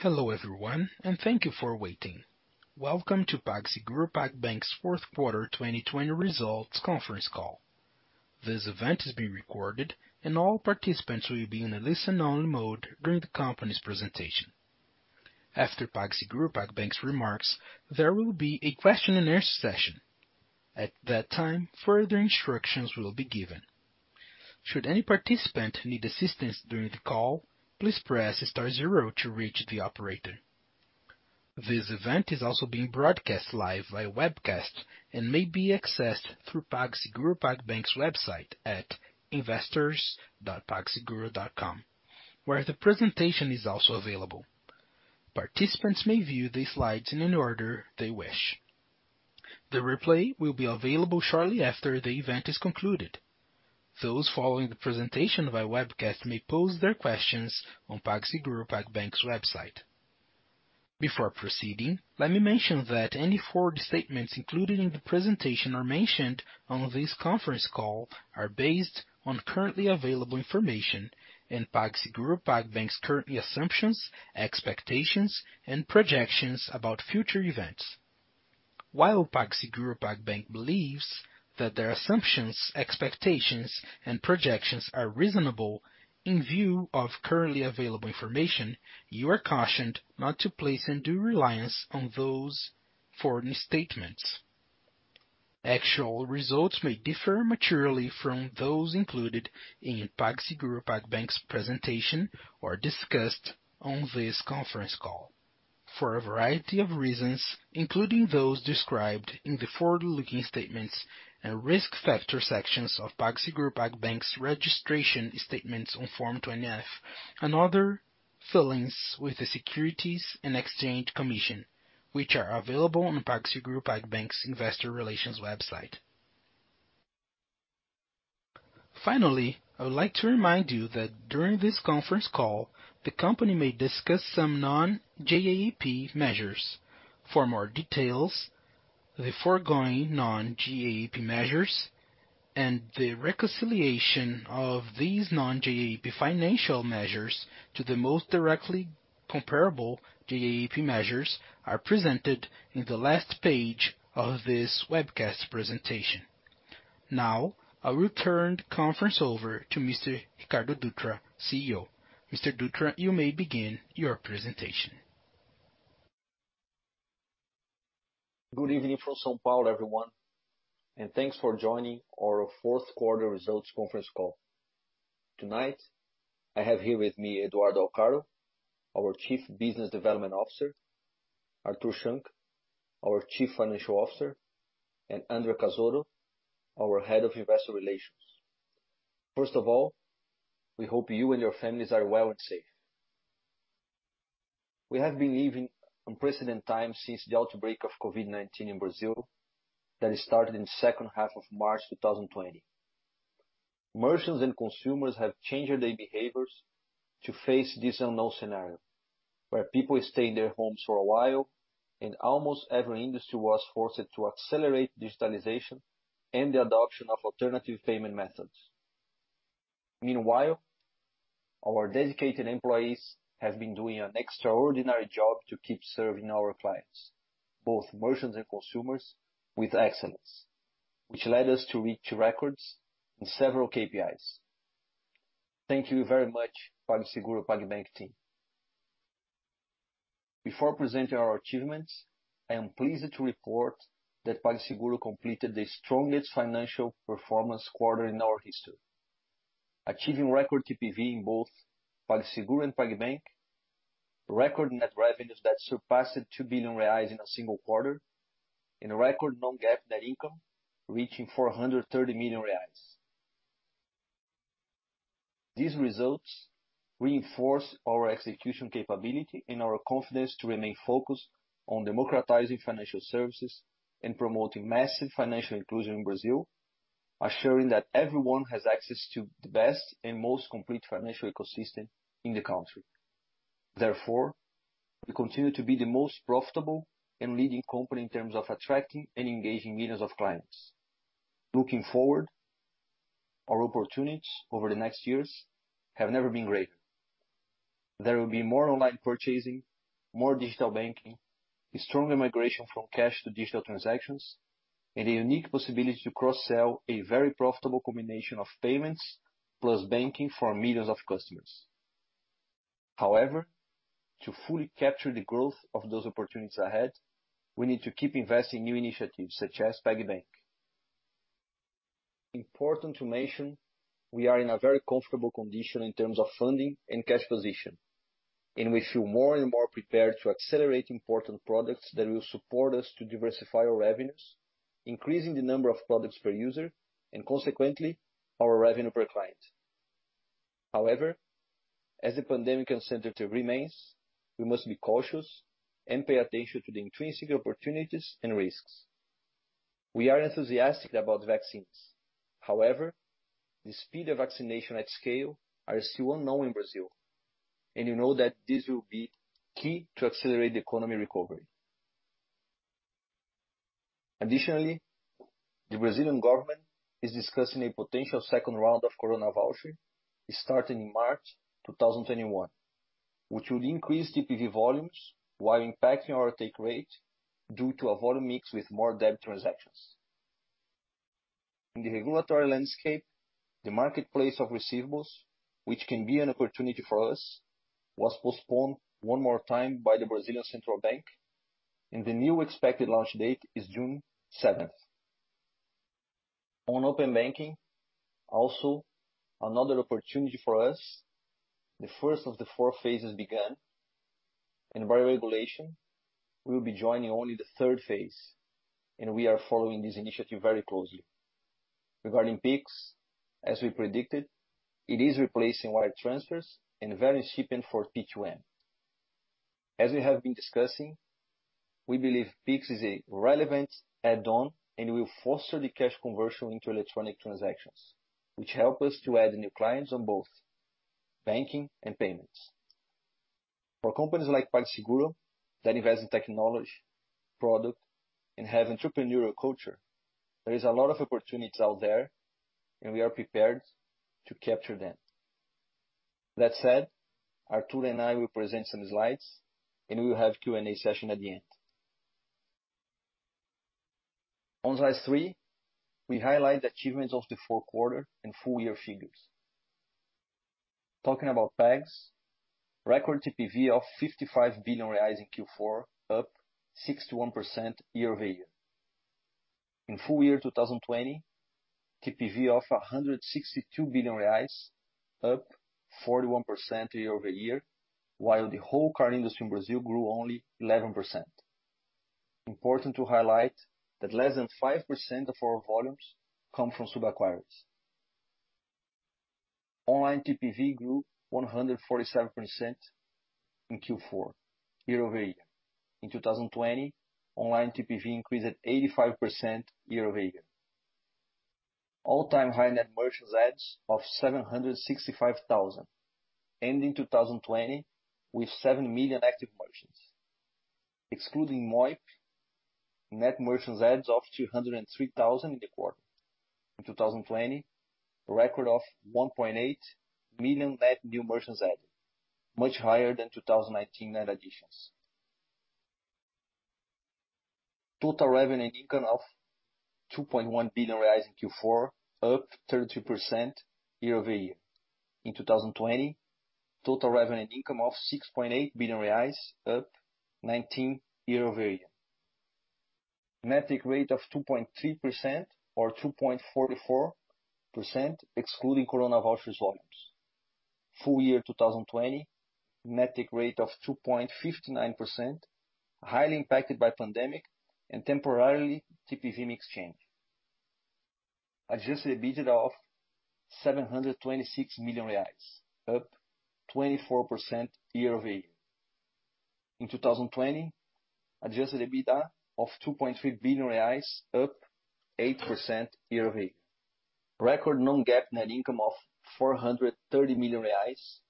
Hello everyone, and thank you for waiting. Welcome to PagSeguro PagBank's fourth quarter 2020 results conference call. This event is being recorded, and all participants will be in a listen-only mode during the company's presentation. After PagSeguro PagBank's remarks, there will be a question-and-answer session. At that time, further instructions will be given. Should any participant need assistance during the call, please press star zero to reach the operator. This event is also being broadcast live via webcast and may be accessed through PagSeguro PagBank's website at investors.pagseguro.com, where the presentation is also available. Participants may view the slides in any order they wish. The replay will be available shortly after the event is concluded. Those following the presentation via webcast may pose their questions on PagSeguro PagBank's website. Before proceeding, let me mention that any forward statements included in the presentation or mentioned on this conference call are based on currently available information and PagSeguro PagBank's current assumptions, expectations, and projections about future events. While PagSeguro PagBank believes that their assumptions, expectations, and projections are reasonable in view of currently available information, you are cautioned not to place undue reliance on those forward statements. Actual results may differ materially from those included in PagSeguro PagBank's presentation or discussed on this conference call for a variety of reasons, including those described in the forward-looking statements and risk factor sections of PagSeguro PagBank's registration statements on Form 20-F and other filings with the Securities and Exchange Commission, which are available on PagSeguro PagBank's investor relations website. Finally, I would like to remind you that during this conference call, the company may discuss some non-GAAP measures. For more details, the foregoing non-GAAP measures and the reconciliation of these non-GAAP financial measures to the most directly comparable GAAP measures are presented in the last page of this webcast presentation. Now, I will turn the conference over to Mr. Ricardo Dutra, CEO. Mr. Dutra, you may begin your presentation. Good evening from São Paulo, everyone. Thanks for joining our fourth quarter results conference call. Tonight, I have here with me Eduardo Alcaro, our Chief Business Development Officer, Artur Schunck, our Chief Financial Officer, and André Cazotto, our Head of Investor Relations. First of all, we hope you and your families are well and safe. We have been living unprecedented times since the outbreak of COVID-19 in Brazil that started in the second half of March 2020. Merchants and consumers have changed their behaviors to face this unknown scenario, where people stayed in their homes for a while and almost every industry was forced to accelerate digitalization and the adoption of alternative payment methods. Meanwhile, our dedicated employees have been doing an extraordinary job to keep serving our clients, both merchants and consumers, with excellence, which led us to reach records in several KPIs. Thank you very much, PagSeguro PagBank team. Before presenting our achievements, I am pleased to report that PagSeguro completed the strongest financial performance quarter in our history, achieving record TPV in both PagSeguro and PagBank, record net revenues that surpassed 2 billion reais in a single quarter, and a record non-GAAP net income reaching 430 million reais. These results reinforce our execution capability and our confidence to remain focused on democratizing financial services and promoting massive financial inclusion in Brazil, assuring that everyone has access to the best and most complete financial ecosystem in the country. Therefore, we continue to be the most profitable and leading company in terms of attracting and engaging millions of clients. Looking forward, our opportunities over the next years have never been greater. There will be more online purchasing, more digital banking, a stronger migration from cash to digital transactions, and a unique possibility to cross-sell a very profitable combination of payments plus banking for millions of customers. To fully capture the growth of those opportunities ahead, we need to keep investing in new initiatives such as PagBank. Important to mention, we are in a very comfortable condition in terms of funding and cash position, and we feel more and more prepared to accelerate important products that will support us to diversify our revenues, increasing the number of products per user, and consequently, our revenue per client. As the pandemic uncertainty remains, we must be cautious and pay attention to the intrinsic opportunities and risks. We are enthusiastic about vaccines. However, the speed of vaccination at scale are still unknown in Brazil, and you know that this will be key to accelerate the economy recovery. Additionally, the Brazilian government is discussing a potential second round of coronavoucher starting in March 2021, which would increase TPV volumes while impacting our take rate due to a volume mix with more debt transactions. In the regulatory landscape, the marketplace of receivables, which can be an opportunity for us, was postponed one more time by the Central Bank of Brazil, and the new expected launch date is June 7th. On open banking, also another opportunity for us, the first of the four phases began, and by regulation, we'll be joining only the third phase, and we are following this initiative very closely. Regarding Pix, as we predicted, it is replacing wire transfers and very convenient for P2M. As we have been discussing, we believe Pix is a relevant add-on and will foster the cash conversion into electronic transactions, which help us to add new clients on both banking and payments. For companies like PagSeguro, that invest in technology, product, and have entrepreneurial culture, there is a lot of opportunities out there, and we are prepared to capture them. That said, Artur and I will present some slides, and we will have Q&A session at the end. On slide three, we highlight the achievements of the fourth quarter and full-year figures. Talking about banks, record TPV of 55 billion reais in Q4, up 61% year-over-year. In full year 2020, TPV of 162 billion reais, up 41% year-over-year, while the whole card industry in Brazil grew only 11%. Important to highlight that less than 5% of our volumes come from sub-acquirers. Online TPV grew 147% in Q4 year-over-year. In 2020, online TPV increased at 85% year-over-year. All-time high net merchants adds of 765,000, ending 2020 with seven million active merchants. Excluding Moip, net merchants adds of 203,000 in the quarter. In 2020, a record of 1.8 million net new merchants added, much higher than 2019 net additions. Total revenue and income of 2.1 billion reais in Q4, up 33% year-over-year. In 2020, total revenue and income of 6.8 billion reais, up 19% year-over-year. Net take rate of 2.3% or 2.44% excluding coronavoucher volumes. Full year 2020, net take rate of 2.59%, highly impacted by pandemic and temporarily TPV mix change. Adjusted EBITDA of 726 million reais, up 24% year-over-year. In 2020, adjusted EBITDA of 2.3 billion reais, up 8% year-over-year. Record non-GAAP net income of 430 million reais,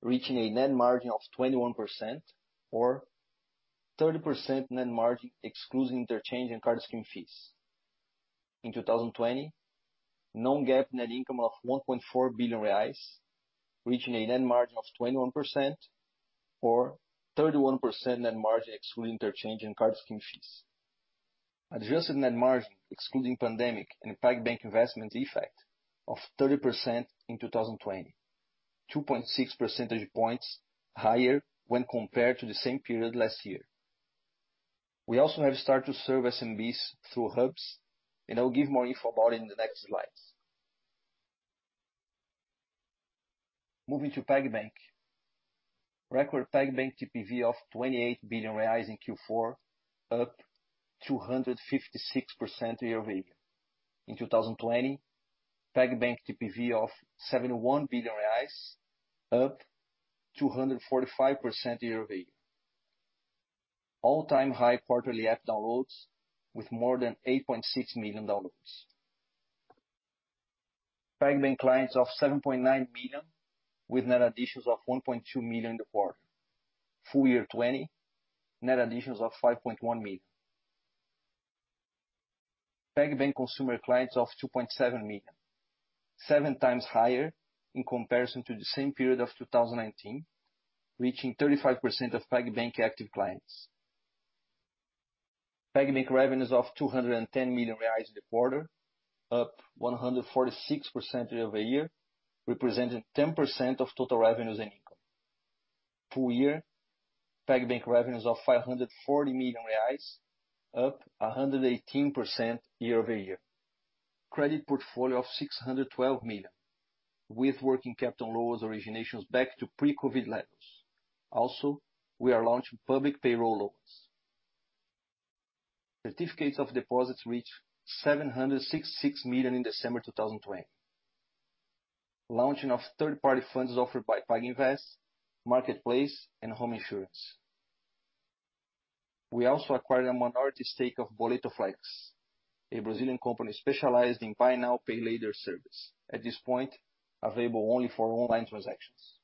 reaching a net margin of 21% or 30% net margin excluding interchange and card scheme fees. In 2020, non-GAAP net income of 1.4 billion reais, reaching a net margin of 21% or 31% net margin excluding interchange and card scheme fees. Adjusted net margin excluding pandemic and PagBank investment effect of 30% in 2020, 2.6 percentage points higher when compared to the same period last year. We also have started to serve SMBs through hubs, and I'll give more info about it in the next slides. Moving to PagBank. Record PagBank TPV of 28 billion reais in Q4, up 256% year-over-year. In 2020, PagBank TPV of 71 billion reais, up 245% year-over-year. All-time high quarterly app downloads with more than 8.6 million downloads. PagBank clients of 7.9 million with net additions of 1.2 million in the quarter. Full year 2020, net additions of 5.1 million. PagBank consumer clients of 2.7 million, 7x higher in comparison to the same period of 2019, reaching 35% of PagBank active clients. PagBank revenues of 210 million reais in the quarter, up 146% year-over-year, representing 10% of total revenues and income. Full year PagBank revenues of 540 million reais, up 118% year-over-year. Credit portfolio of 612 million with working capital loans originations back to pre-COVID levels. Also, we are launching public payroll loans. Certificates of deposits reached 766 million in December 2020. Launching of third-party funds offered by PagInvest, marketplace, and home insurance. We also acquired a minority stake of BoletoFlex, a Brazilian company specialized in buy now, pay later service. At this point, available only for online transactions.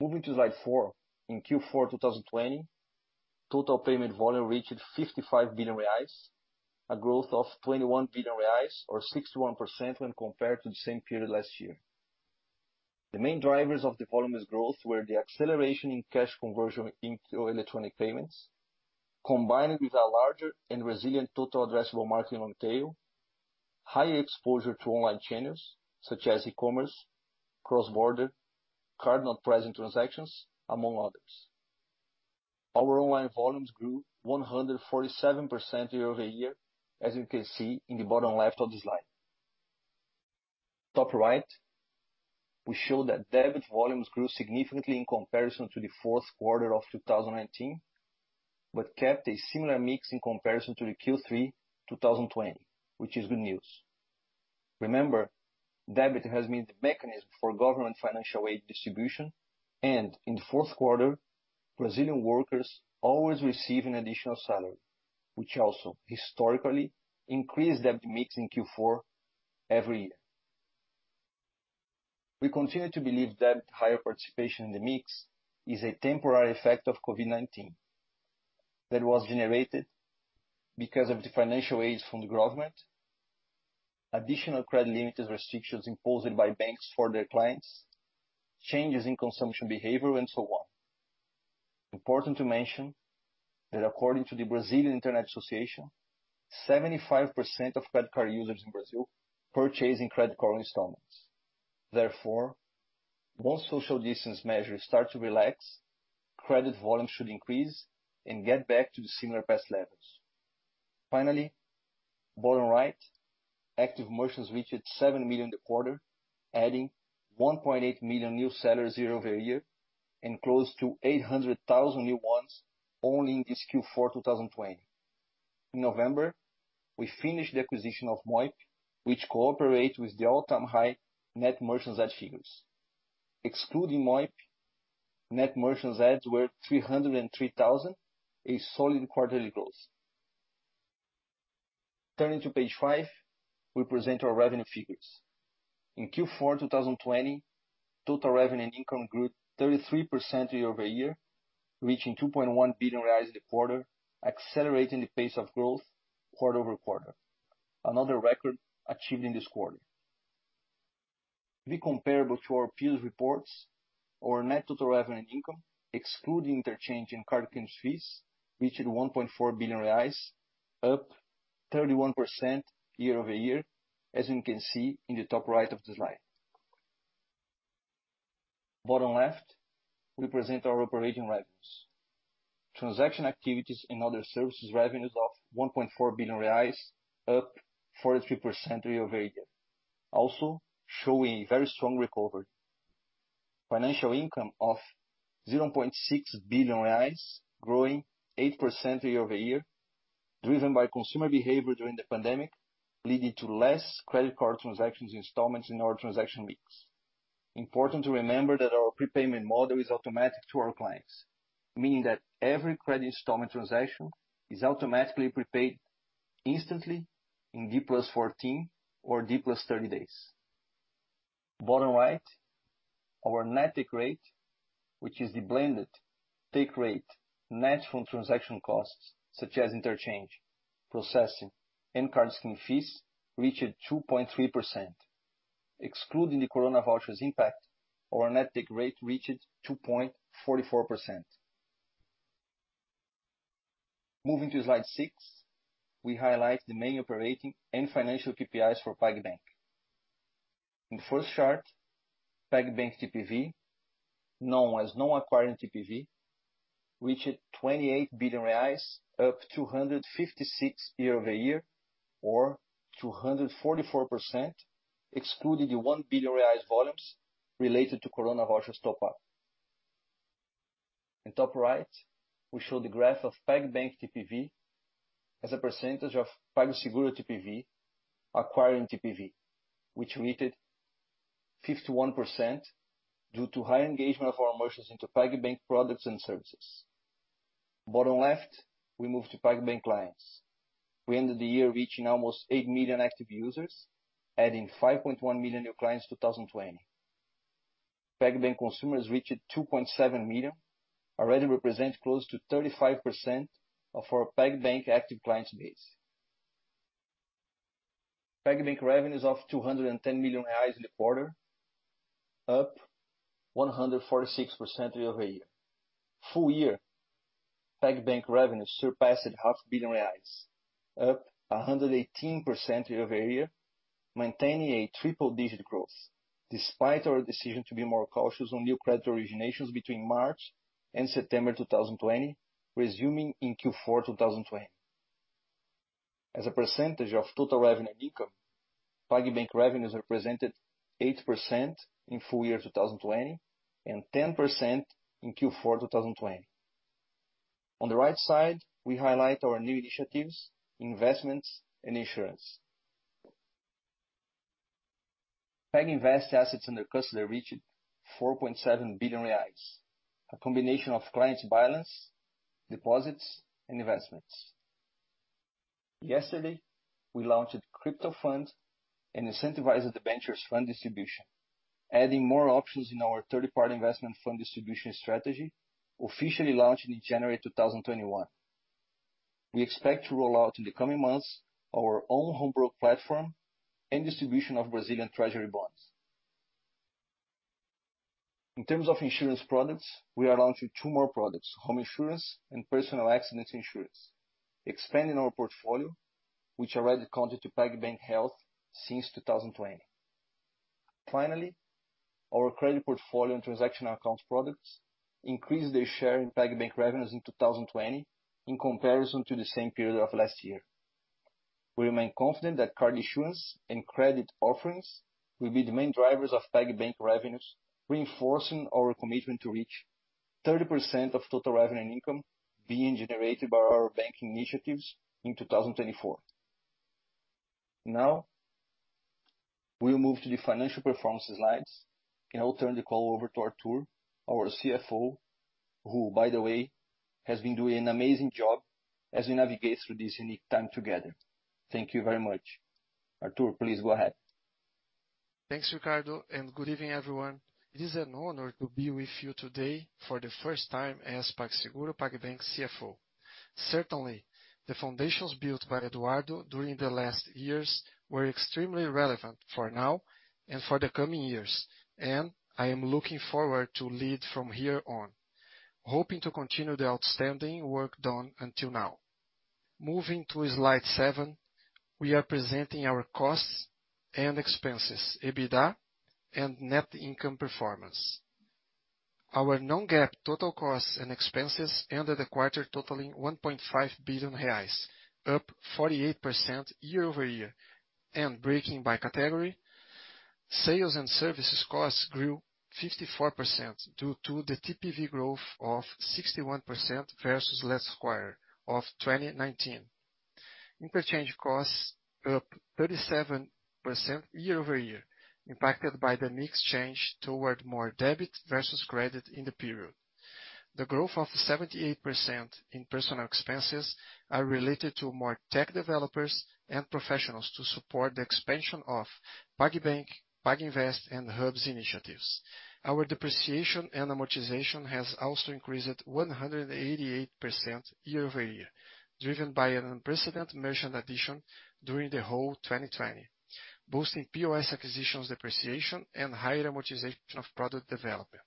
Moving to slide four. In Q4 2020, total payment volume reached 55 billion reais, a growth of 21 billion reais, or 61% when compared to the same period last year. The main drivers of the volume's growth were the acceleration in cash conversion into electronic payments, combining with a larger and resilient total addressable market on tail, high exposure to online channels such as e-commerce, cross-border, card-not-present transactions, among others. Our online volumes grew 147% year-over-year, as you can see in the bottom left of the slide. Top right, we show that debit volumes grew significantly in comparison to the fourth quarter of 2019, but kept a similar mix in comparison to the Q3 2020, which is good news. Remember, debit has been the mechanism for government financial aid distribution, and in the fourth quarter, Brazilian workers always receive an additional salary, which also historically increased debit mix in Q4 every year. We continue to believe debit higher participation in the mix is a temporary effect of COVID-19 that was generated because of the financial aids from the government, additional credit limited restrictions imposed by banks for their clients, changes in consumption behavior, and so on. Important to mention that according to the Brazilian Internet Association, 75% of credit card users in Brazil purchase in credit card installments. Once social distance measures start to relax, credit volumes should increase and get back to the similar past levels. Finally, bottom right, active merchants reached seven million in the quarter, adding 1.8 million new sellers year-over-year and close to 800,000 new ones only in this Q4 2020. In November, we finished the acquisition of Moip, which contributed to the all-time high net merchants add figures. Excluding Moip, net merchants adds were 303,000, a solid quarterly growth. Turning to page five, we present our revenue figures. In Q4 2020, total revenue and income grew 33% year-over-year, reaching 2.1 billion reais in the quarter, accelerating the pace of growth quarter-over-quarter. Another record achieved in this quarter. To be comparable to our previous reports, our net total revenue income, excluding interchange and card scheme fees, reached 1.4 billion reais, up 31% year-over-year, as you can see in the top right of the slide. Bottom left, we present our operating revenues. Transaction activities and other services revenues of 1.4 billion reais, up 43% year-over-year. Also showing very strong recovery. Financial income of 0.6 billion reais, growing 8% year-over-year, driven by consumer behavior during the pandemic, leading to less credit card transactions installments in our transaction mix. Important to remember that our prepayment model is automatic to our clients, meaning that every credit installment transaction is automatically prepaid instantly in D+14 or D+30 days. Bottom right, our net take rate, which is the blended take rate, net from transaction costs such as interchange, processing, and card scheme fees, reached 2.3%. Excluding the coronavoucher impact, our net take rate reached 2.44%. Moving to slide six, we highlight the main operating and financial KPIs for PagBank. In the first chart, PagBank TPV, known as non-acquiring TPV, reached BRL 28 billion, up 256% year-over-year or 244%, excluding the 1 billion reais volumes related to coronavoucher top-up. In top right, we show the graph of PagBank TPV as a percentage of PagSeguro TPV, acquiring TPV, which reached 51% due to high engagement of our merchants into PagBank products and services. Bottom left, we move to PagBank clients. We ended the year reaching almost eight million active users, adding 5.1 million new clients 2020. PagBank consumers reached 2.7 million, already represent close to 35% of our PagBank active clients base. PagBank revenues of 210 million reais in the quarter, up 146% year-over-year. Full year PagBank revenues surpassed half billion BRL, up 118% year-over-year, maintaining a triple-digit growth despite our decision to be more cautious on new credit originations between March and September 2020, resuming in Q4 2020. As a percentage of total revenue and income, PagBank revenues represented 8% in full year 2020 and 10% in Q4 2020. On the right side, we highlight our new initiatives, investments, and insurance. PagInvest assets under custody reached 4.7 billion reais, a combination of clients' balance, deposits, and investments. Yesterday, we launched crypto funds and incentivized debentures fund distribution, adding more options in our third-party investment fund distribution strategy, officially launching in January 2021. We expect to roll out in the coming months our own home broker platform and distribution of Brazilian Treasury bonds. In terms of insurance products, we are launching two more products, home insurance and personal accident insurance, expanding our portfolio, which already counted to PagBank Saúde since 2020. Finally, our credit portfolio and transactional accounts products increased their share in PagBank revenues in 2020 in comparison to the same period of last year. We remain confident that card issuance and credit offerings will be the main drivers of PagBank revenues, reinforcing our commitment to reach 30% of total revenue and income being generated by our banking initiatives in 2024. Now we'll move to the financial performance slides, and I'll turn the call over to Artur, our CFO, who, by the way, has been doing an amazing job as we navigate through this unique time together. Thank you very much. Artur, please go ahead. Thanks, Ricardo. Good evening, everyone. It is an honor to be with you today for the first time as PagSeguro PagBank's CFO. Certainly, the foundations built by Eduardo during the last years were extremely relevant for now and for the coming years, and I am looking forward to lead from here on, hoping to continue the outstanding work done until now. Moving to slide seven, we are presenting our costs and expenses, EBITDA, and net income performance. Our non-GAAP total costs and expenses ended the quarter totaling 1.5 billion reais, up 48% year-over-year. Breaking by category, sales and services costs grew 54% due to the TPV growth of 61% versus last quarter of 2019. Interchange costs up 37% year-over-year, impacted by the mix change toward more debit versus credit in the period. The growth of 78% in personal expenses are related to more tech developers and professionals to support the expansion of PagBank, PagInvest, and hubs initiatives. Our depreciation and amortization has also increased 188% year-over-year, driven by an unprecedented merchant addition during the whole 2020, boosting POS acquisitions, depreciation and higher amortization of product developer.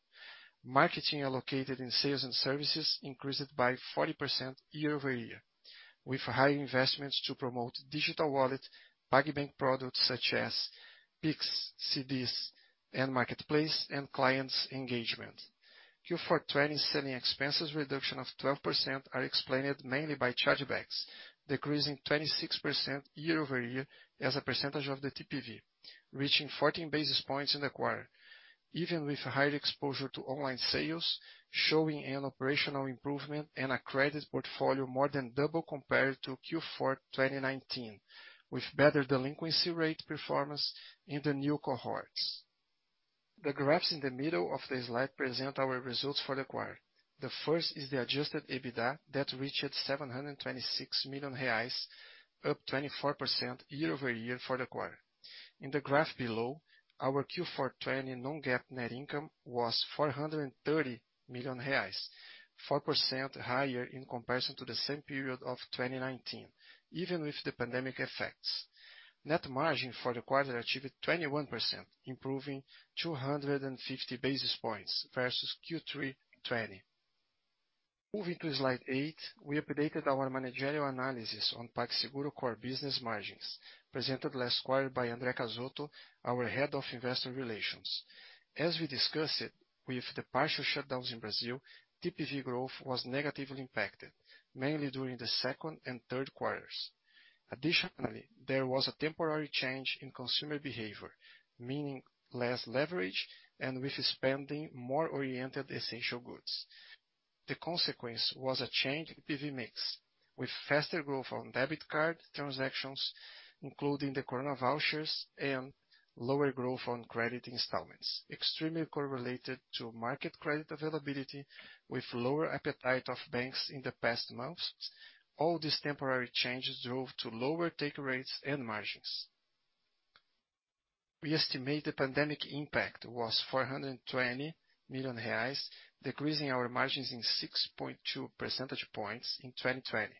Marketing allocated in sales and services increased by 40% year-over-year, with higher investments to promote digital wallet PagBank products such as Pix, CDBs, and Marketplace and clients engagement. Q4 2020 selling expenses reduction of 12% are explained mainly by chargebacks, decreasing 26% year-over-year as a percentage of the TPV, reaching 14 basis points in the quarter, even with higher exposure to online sales, showing an operational improvement and a credit portfolio more than double compared to Q4 2019, with better delinquency rate performance in the new cohorts. The graphs in the middle of the slide present our results for the quarter. The first is the adjusted EBITDA that reached 726 million reais, up 24% year-over-year for the quarter. In the graph below, our Q4 2020 non-GAAP net income was 430 million reais, 4% higher in comparison to the same period of 2019, even with the pandemic effects. Net margin for the quarter achieved 21%, improving 250 basis points versus Q3 2020. Moving to slide eight, we updated our managerial analysis on PagSeguro core business margins presented last quarter by André Cazotto, our Head of Investor Relations. As we discussed it with the partial shutdowns in Brazil, TPV growth was negatively impacted, mainly during the second and third quarters. Additionally, there was a temporary change in consumer behavior, meaning less leverage and with spending more oriented essential goods. The consequence was a change in TPV mix with faster growth on debit card transactions, including the Corona vouchers and lower growth on credit installments, extremely correlated to market credit availability with lower appetite of banks in the past months. All these temporary changes drove to lower take rates and margins. We estimate the pandemic impact was 420 million reais, decreasing our margins in 6.2 percentage points in 2020.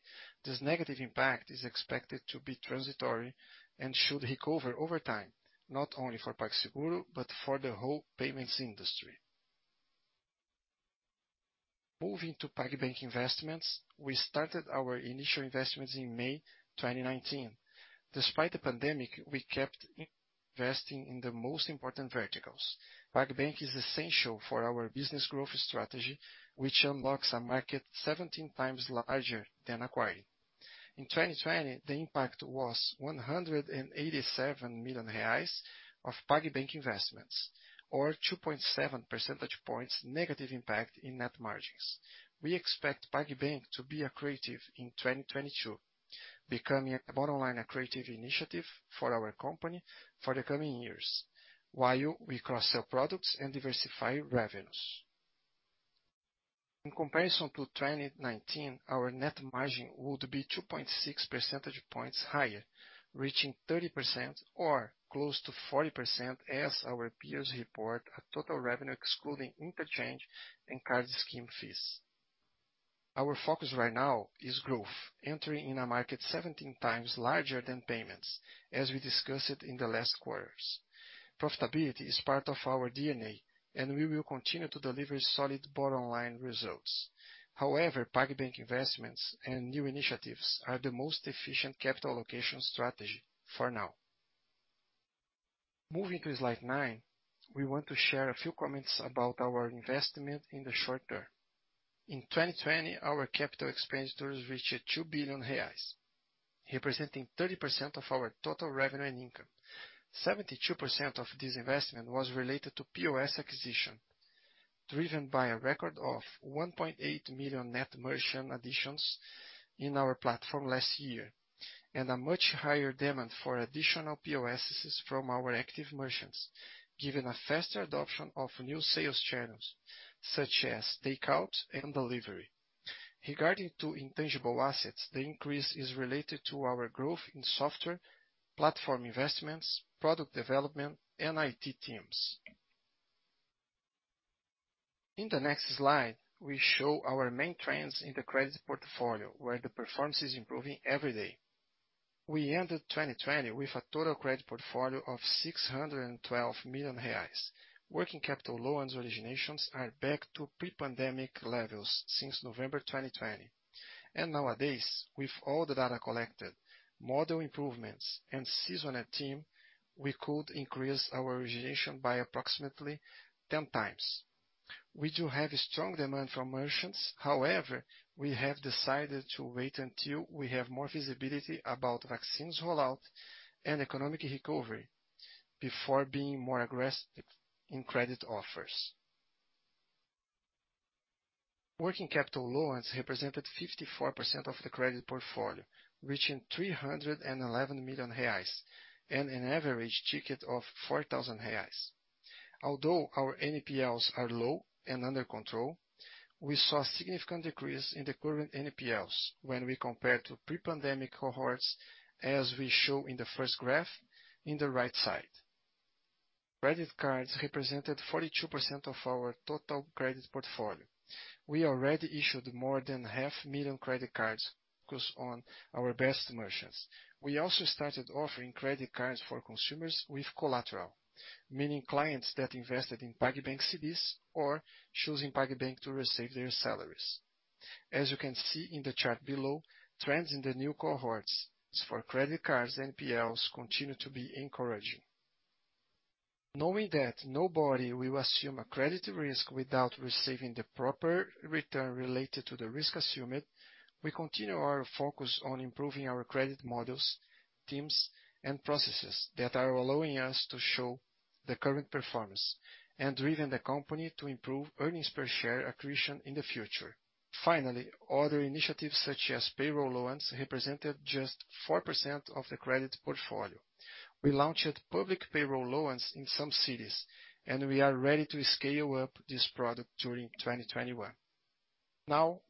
This negative impact is expected to be transitory and should recover over time, not only for PagSeguro, but for the whole payments industry. Moving to PagBank investments, we started our initial investments in May 2019. Despite the pandemic, we kept investing in the most important verticals. PagBank is essential for our business growth strategy, which unlocks a market 17x larger than acquiring. In 2020, the impact was 187 million reais of PagBank investments, or 2.7 percentage points negative impact in net margins. We expect PagBank to be accretive in 2022, becoming a bottom-line accretive initiative for our company for the coming years while we cross-sell products and diversify revenues. In comparison to 2019, our net margin would be 2.6 percentage points higher, reaching 30% or close to 40% as our peers report a total revenue excluding interchange and card scheme fees. Our focus right now is growth, entering in a market 17x larger than payments, as we discussed in the last quarters. Profitability is part of our DNA. We will continue to deliver solid bottom-line results. However, PagBank investments and new initiatives are the most efficient capital allocation strategy for now. Moving to slide nine, we want to share a few comments about our investment in the short term. In 2020, our capital expenditures reached 2 billion reais, representing 30% of our total revenue and income. 72% of this investment was related to POS acquisition, driven by a record of 1.8 million net merchant additions in our platform last year, and a much higher demand for additional POSs from our active merchants, given a faster adoption of new sales channels such as takeout and delivery. Regarding to intangible assets, the increase is related to our growth in software, platform investments, product development, and IT teams. In the next slide, we show our main trends in the credit portfolio, where the performance is improving every day. We ended 2020 with a total credit portfolio of 612 million reais. Working capital loans originations are back to pre-pandemic levels since November 2020. Nowadays, with all the data collected, model improvements, and seasoned team, we could increase our origination by approximately 10x. We do have a strong demand for merchants. However, we have decided to wait until we have more visibility about vaccines rollout and economic recovery before being more aggressive in credit offers. Working capital loans represented 54% of the credit portfolio, reaching 311 million reais and an average ticket of 4,000 reais. Although our NPLs are low and under control, we saw a significant decrease in the current NPLs when we compare to pre-pandemic cohorts, as we show in the first graph in the right side. Credit cards represented 42% of our total credit portfolio. We already issued more than half a million credit cards focused on our best merchants. We also started offering credit cards for consumers with collateral, meaning clients that invested in PagBank CDBs or choosing PagBank to receive their salaries. As you can see in the chart below, trends in the new cohorts for credit cards NPLs continue to be encouraging. Knowing that nobody will assume a credit risk without receiving the proper return related to the risk assumed, we continue our focus on improving our credit models, teams, and processes that are allowing us to show the current performance and driven the company to improve earnings per share accretion in the future. Finally, other initiatives such as payroll loans represented just 4% of the credit portfolio. We launched public payroll loans in some cities, and we are ready to scale up this product during 2021.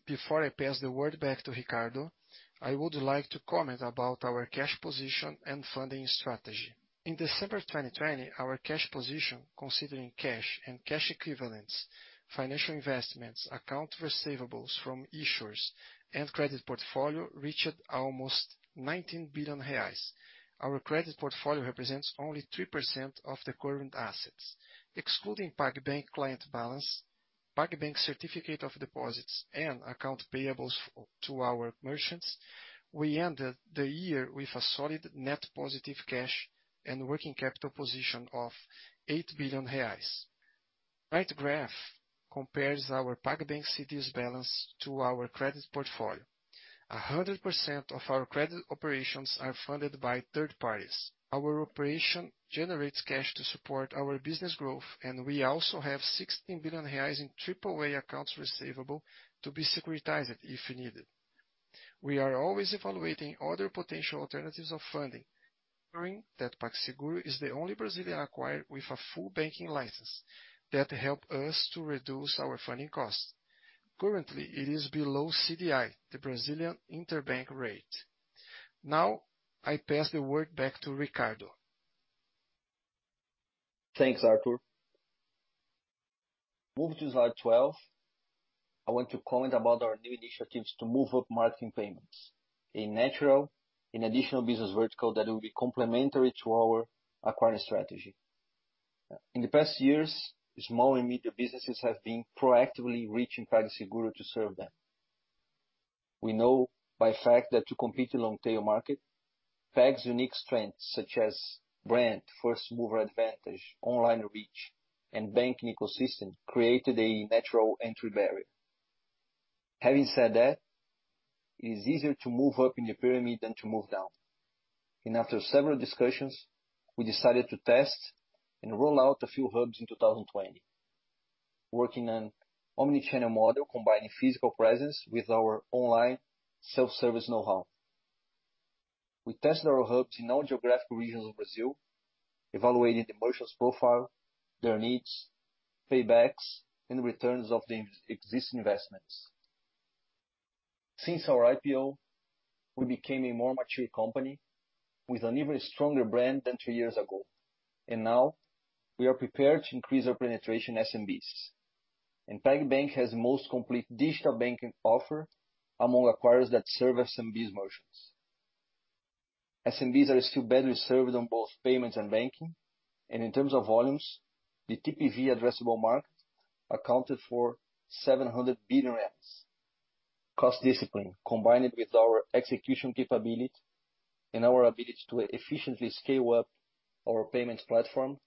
Before I pass the word back to Ricardo, I would like to comment about our cash position and funding strategy. In December 2020, our cash position, considering cash and cash equivalents, financial investments, account receivables from issuers, and credit portfolio, reached almost 19 billion reais. Our credit portfolio represents only 3% of the current assets. Excluding PagBank client balance, PagBank certificate of deposits, and account payables to our merchants, we ended the year with a solid net positive cash and working capital position of 8 billion reais. Right graph compares our PagBank CDBs balance to our credit portfolio. 100% of our credit operations are funded by third parties. Our operation generates cash to support our business growth, and we also have 16 billion reais in triple-A accounts receivable to be securitized if needed. We are always evaluating other potential alternatives of funding, ensuring that PagSeguro is the only Brazilian acquirer with a full banking license that help us to reduce our funding cost. Currently, it is below CDI, the Brazilian Interbank Rate. I pass the word back to Ricardo. Thanks, Artur. Move to slide 12. I want to comment about our new initiatives to move up market in payments, a natural and additional business vertical that will be complementary to our acquiring strategy. In the past years, small and medium businesses have been proactively reaching PagSeguro to serve them. We know by fact that to compete in long tail market, Pag's unique strengths such as brand, first mover advantage, online reach, and banking ecosystem created a natural entry barrier. Having said that, it is easier to move up in the pyramid than to move down. After several discussions, we decided to test and roll out a few hubs in 2020, working on omnichannel model, combining physical presence with our online self-service know-how. We test our hubs in all geographical regions of Brazil, evaluating the merchants' profile, their needs, paybacks, and returns of the existing investments. Since our IPO, we became a more mature company with an even stronger brand than two years ago. Now we are prepared to increase our penetration SMBs. PagBank has the most complete digital banking offer among acquirers that serve SMB's merchants. SMBs are still better served on both payments and banking. In terms of volumes, the TPV addressable market accounted for BRL 700 billion. Cost discipline, combined with our execution capability and our ability to efficiently scale up our payments platform,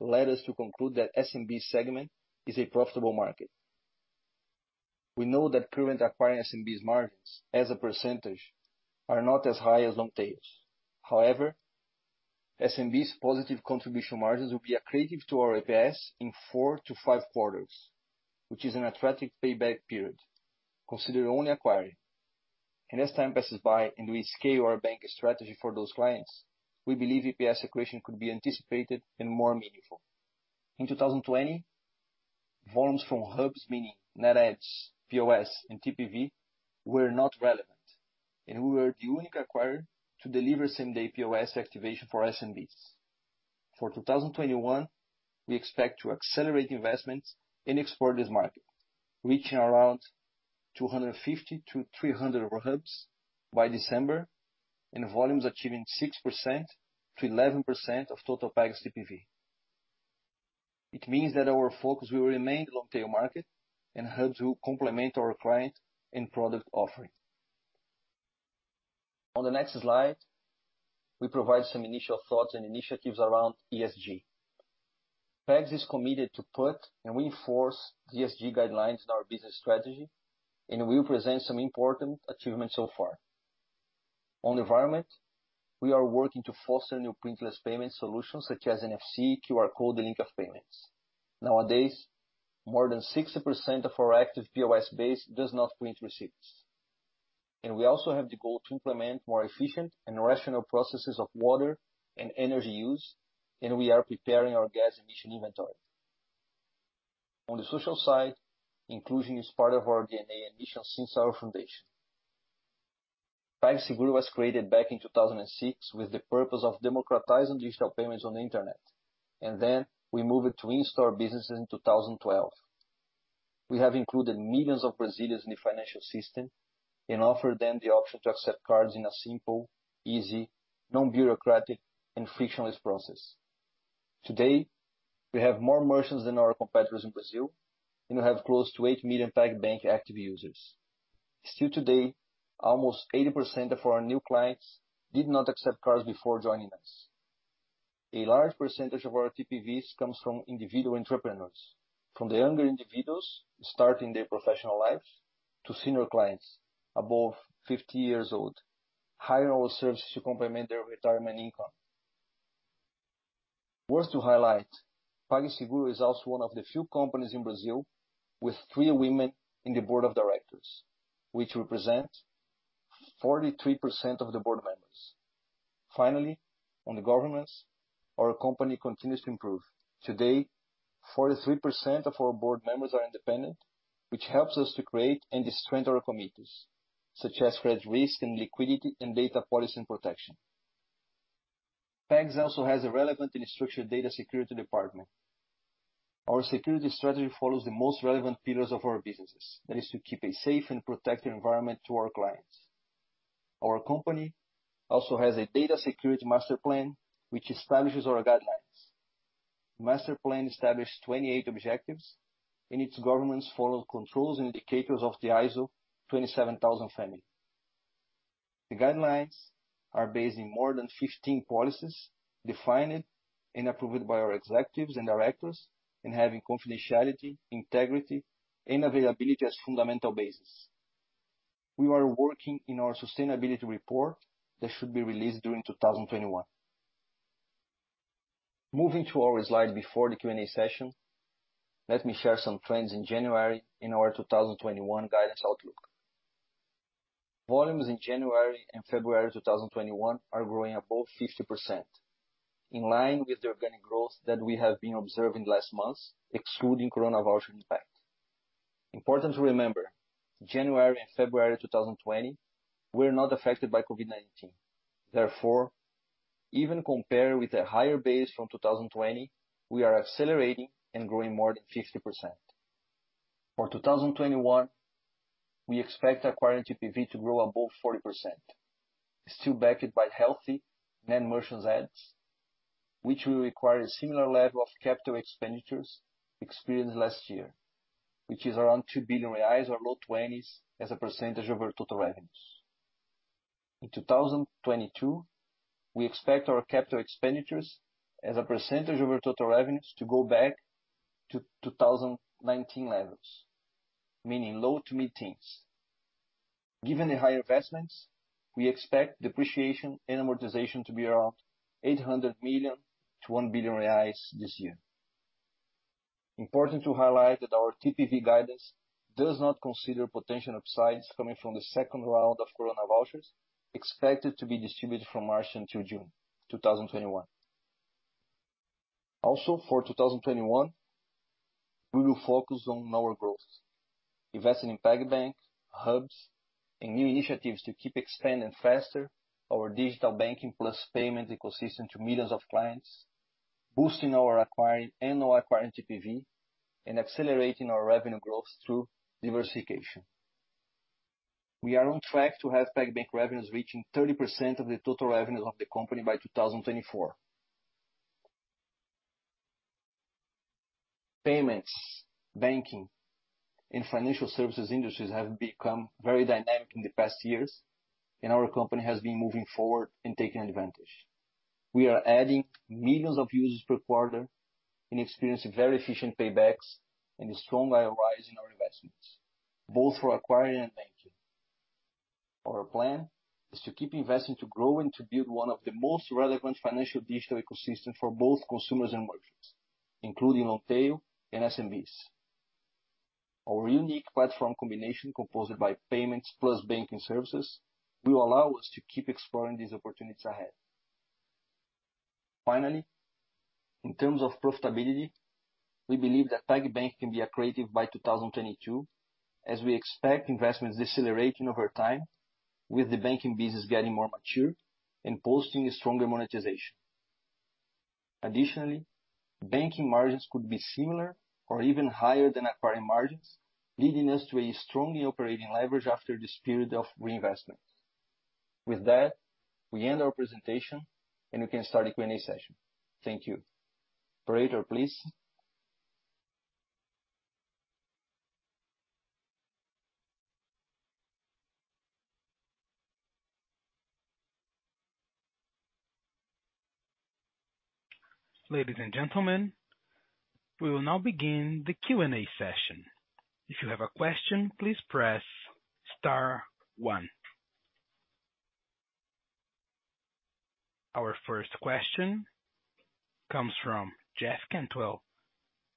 led us to conclude that SMB segment is a profitable market. We know that current acquiring SMB's margins as a percentage are not as high as long tails. However, SMB's positive contribution margins will be accretive to our EPS in four to five quarters, which is an attractive payback period considering only acquiring. As time passes by and we scale our bank strategy for those clients, we believe EPS accretion could be anticipated and more meaningful. In 2020, volumes from hubs, meaning net adds, POS, and TPV were not relevant, and we were the unique acquirer to deliver same-day POS activation for SMBs. For 2021, we expect to accelerate investments and explore this market, reaching around 250-300 hubs by December, and volumes achieving 6%-11% of total Pag's TPV. It means that our focus will remain long-tail market and hubs will complement our client and product offering. On the next slide, we provide some initial thoughts and initiatives around ESG. Pag is committed to put and reinforce ESG guidelines in our business strategy, and we will present some important achievements so far. On the environment, we are working to foster new printless payment solutions such as NFC, QR code, and link of payments. Nowadays, more than 60% of our active POS base does not print receipts. We also have the goal to implement more efficient and rational processes of water and energy use, and we are preparing our gas emission inventory. On the social side, inclusion is part of our DNA and mission since our foundation. PagSeguro was created back in 2006 with the purpose of democratizing digital payments on the internet, and then we moved it to in-store businesses in 2012. We have included millions of Brazilians in the financial system and offered them the option to accept cards in a simple, easy, non-bureaucratic, and frictionless process. Today, we have more merchants than our competitors in Brazil, and we have close to eight million PagBank active users. Still today, almost 80% of our new clients did not accept cards before joining us. A large percentage of our TPVs comes from individual entrepreneurs, from the younger individuals starting their professional lives to senior clients above 50 years old, hiring our services to complement their retirement income. Worth to highlight, PagSeguro is also one of the few companies in Brazil with three women in the board of directors, which represent 43% of the board members. Finally, on the governance, our company continues to improve. Today, 43% of our board members are independent, which helps us to create and strengthen our committees, such as credit risk and liquidity and data policy and protection. Pag also has a relevant and structured data security department. Our security strategy follows the most relevant pillars of our businesses. That is to keep a safe and protected environment to our clients. Our company also has a data security master plan, which establishes our guidelines. The master plan established 28 objectives, and its governance follows controls and indicators of the ISO 27000 family. The guidelines are based in more than 15 policies defined and approved by our executives and directors in having confidentiality, integrity, and availability as fundamental basis. We are working in our sustainability report that should be released during 2021. Moving to our slide before the Q&A session, let me share some trends in January in our 2021 guidance outlook. Volumes in January and February 2021 are growing above 50%, in line with the organic growth that we have been observing last months, excluding COVID-19 impact. Important to remember, January and February 2020 were not affected by COVID-19. Therefore, even compared with a higher base from 2020, we are accelerating and growing more than 50%. For 2021, we expect acquiring TPV to grow above 40%, still backed by healthy net merchants adds, which will require a similar level of CapEx experienced last year, which is around 2 billion reais or low 20s as a percentage of our total revenues. In 2022, we expect our CapEx as a percentage of our total revenues to go back to 2019 levels, meaning low to mid-teens. Given the high investments, we expect depreciation and amortization to be around 800 million-1 billion reais this year. Important to highlight that our TPV guidance does not consider potential upsides coming from the second round of Coronavouchers expected to be distributed from March until June 2021. Also, for 2021, we will focus on lower growth, investing in PagBank, hubs, and new initiatives to keep expanding faster our digital banking plus payment ecosystem to millions of clients, boosting our acquiring and non-acquiring TPV, and accelerating our revenue growth through diversification. We are on track to have PagBank revenues reaching 30% of the total revenue of the company by 2024. Payments, banking, and financial services industries have become very dynamic in the past years, and our company has been moving forward and taking advantage. We are adding millions of users per quarter and experiencing very efficient paybacks and a strong ROI in our investments, both for acquiring and banking. Our plan is to keep investing, to grow, and to build one of the most relevant financial digital ecosystems for both consumers and merchants, including long tail and SMBs. Our unique platform combination, composed by payments plus banking services, will allow us to keep exploring these opportunities ahead. Finally, in terms of profitability, we believe that PagBank can be accretive by 2022, as we expect investments decelerating over time, with the banking business getting more mature and posting a stronger monetization. Additionally, banking margins could be similar or even higher than acquiring margins, leading us to a strongly operating leverage after this period of reinvestment. With that, we end our presentation, and we can start the Q&A session. Thank you. Operator, please. Ladies and gentlemen, we will now begin the Q&A session. If you have a question, please press star one. Our first question comes from Jeff Cantwell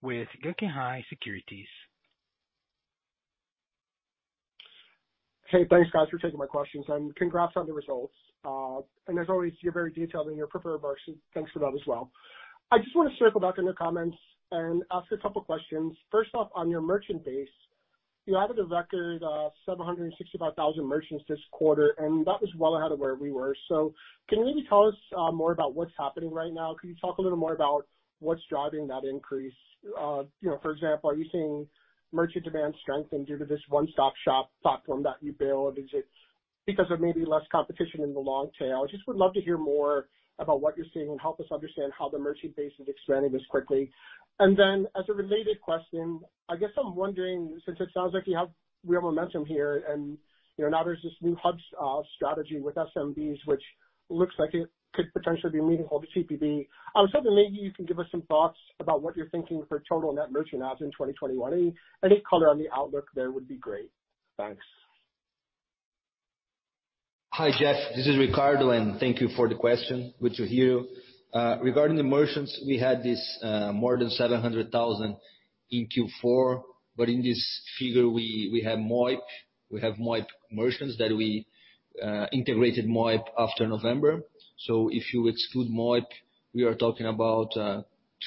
with Guggenheim Securities. Hey, thanks, guys, for taking my questions, and congrats on the results. As always, you're very detailed in your prepared version. Thanks for that as well. I just want to circle back on your comments and ask a couple of questions. First off, on your merchant base, you added a record 765,000 merchants this quarter, and that was well ahead of where we were. Can you maybe tell us more about what's happening right now? Can you talk a little more about what's driving that increase? For example, are you seeing merchant demand strengthen due to this one-stop shop platform that you build? Is it because of maybe less competition in the long tail? I just would love to hear more about what you're seeing and help us understand how the merchant base is expanding this quickly. As a related question, I guess I'm wondering, since it sounds like you have real momentum here, and now there's this new hubs strategy with SMBs, which looks like it could potentially be meaningful to TPV. I was hoping maybe you can give us some thoughts about what you're thinking for total net merchant adds in 2021. Any color on the outlook there would be great. Thanks. Hi, Jeff. This is Ricardo, thank you for the question. Good to hear you. Regarding the merchants, we had this more than 700,000 in Q4. In this figure, we have Moip merchants that we integrated Moip after November. If you exclude Moip, we are talking about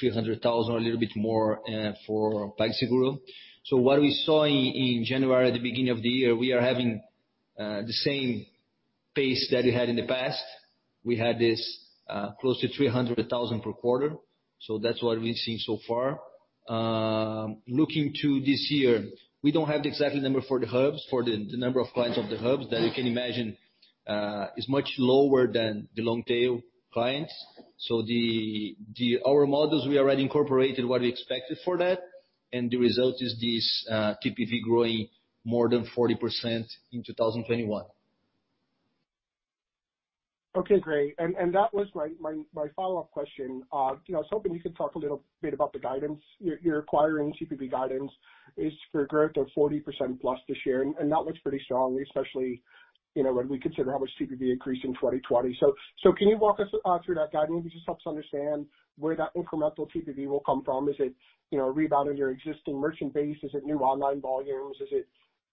300,000, a little bit more for PagSeguro. What we saw in January, at the beginning of the year, we are having the same pace that we had in the past. We had this close to 300,000 per quarter. That's what we've seen so far. Looking to this year, we don't have the exact number for the hubs, for the number of clients of the hubs that you can imagine is much lower than the long tail clients. Our models, we already incorporated what we expected for that, and the result is this TPV growing more than 40% in 2021. Okay, great. That was my follow-up question. I was hoping you could talk a little bit about the guidance. Your acquiring TPV guidance is for growth of 40% plus this year, and that looks pretty strong, especially when we consider how much TPV increased in 2020. Can you walk us through that guidance? It just helps understand where that incremental TPV will come from. Is it a rebound of your existing merchant base? Is it new online volumes?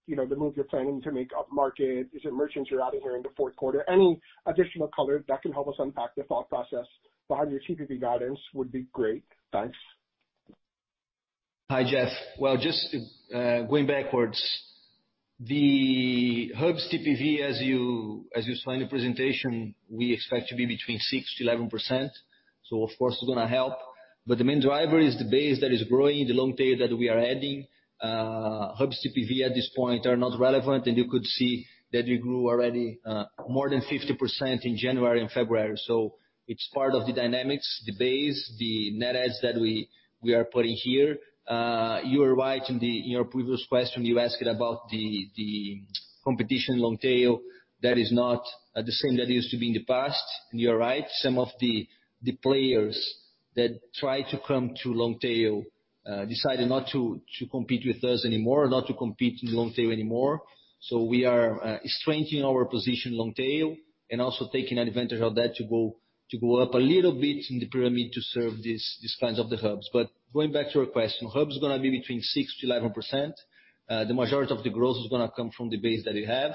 Is it the move you're planning to make up market? Is it merchants you're adding here in the fourth quarter? Any additional color that can help us unpack the thought process behind your TPV guidance would be great. Thanks. Hi, Jeff. Well, just going backwards. The Hubs TPV, as you saw in the presentation, we expect to be between 6%-11%. Of course, it's gonna help. The main driver is the base that is growing, the long tail that we are adding. Hubs TPV at this point are not relevant, you could see that we grew already more than 50% in January and February. It's part of the dynamics, the base, the net adds that we are putting here. You are right in your previous question, you asked about the competition long tail. That is not the same that used to be in the past. You're right, some of the players that try to come to long tail, decided not to compete with us anymore, not to compete in long tail anymore. We are strengthening our position long tail, and also taking advantage of that to go up a little bit in the pyramid to serve these clients of the hubs. Going back to your question, hubs is going to be between 6%-11%. The majority of the growth is going to come from the base that we have.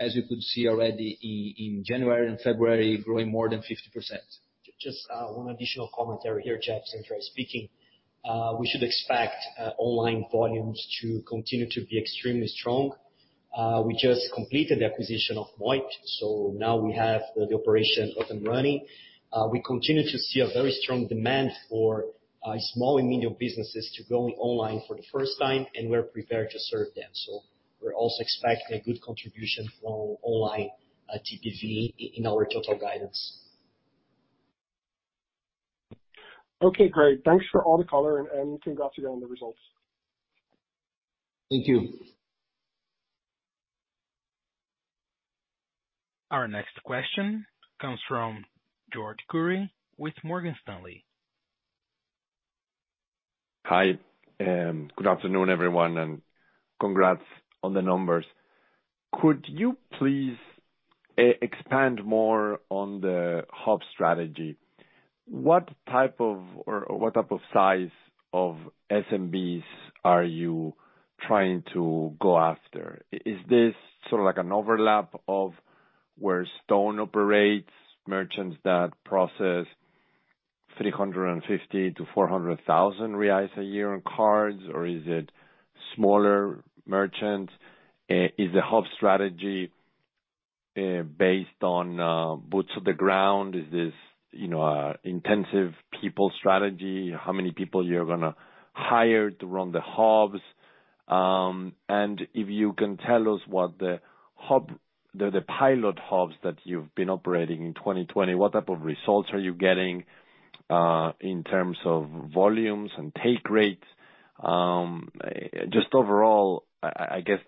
As you could see already in January and February, growing more than 50%. Just one additional commentary here, Jeff, Eduardo speaking. We should expect online volumes to continue to be extremely strong. We just completed the acquisition of Moip, so now we have the operation up and running. We continue to see a very strong demand for small and medium businesses to go online for the first time, and we're prepared to serve them. We're also expecting a good contribution from online TPV in our total guidance. Okay, great. Thanks for all the color and congrats again on the results. Thank you. Our next question comes from Jorge Kuri with Morgan Stanley. Hi, good afternoon, everyone, and congrats on the numbers. Could you please expand more on the hub strategy. What type of size of SMBs are you trying to go after? Is this sort of like an overlap of where StoneCo operates, merchants that process 350,000-400,000 reais a year on cards, or is it smaller merchants? Is the hub strategy based on boots on the ground? Is this an intensive people strategy? How many people you're gonna hire to run the hubs? If you can tell us what the pilot hubs that you've been operating in 2020, what type of results are you getting, in terms of volumes and take rates? Just overall, I guess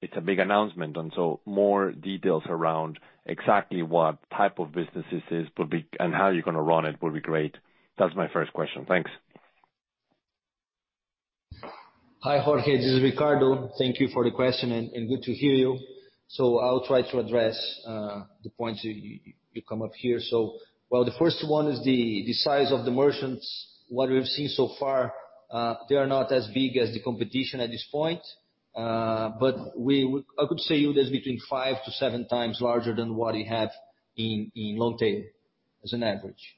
it's a big announcement. More details around exactly what type of businesses this would be and how you're going to run it would be great. That's my first question. Thanks. Hi, Jorge. This is Ricardo. Thank you for the question and good to hear you. I'll try to address the points you come up here. The first one is the size of the merchants. What we've seen so far, they are not as big as the competition at this point. I would say it is between 5x to 7x larger than what we have in long tail as an average.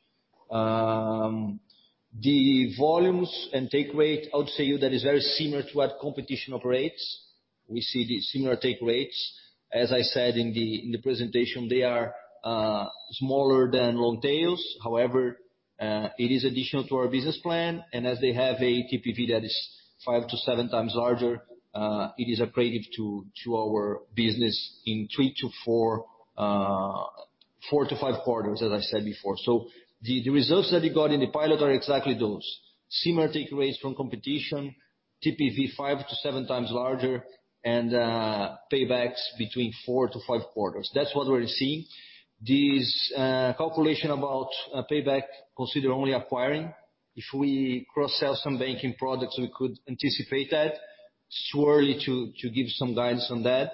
The volumes and take rate, I would say that is very similar to what competition operates. We see the similar take rates. As I said in the presentation, they are smaller than long tails. However, it is additional to our business plan, and as they have a TPV that is 5x-7x larger, it is accretive to our business in three to four to five quarters as I said before. The results that we got in the pilot are exactly those. Similar take rates from competition, TPV 5x-7x larger, and paybacks between four to five quarters. That's what we're seeing. This calculation about payback consider only acquiring. If we cross-sell some banking products, we could anticipate that, surely to give some guidance on that.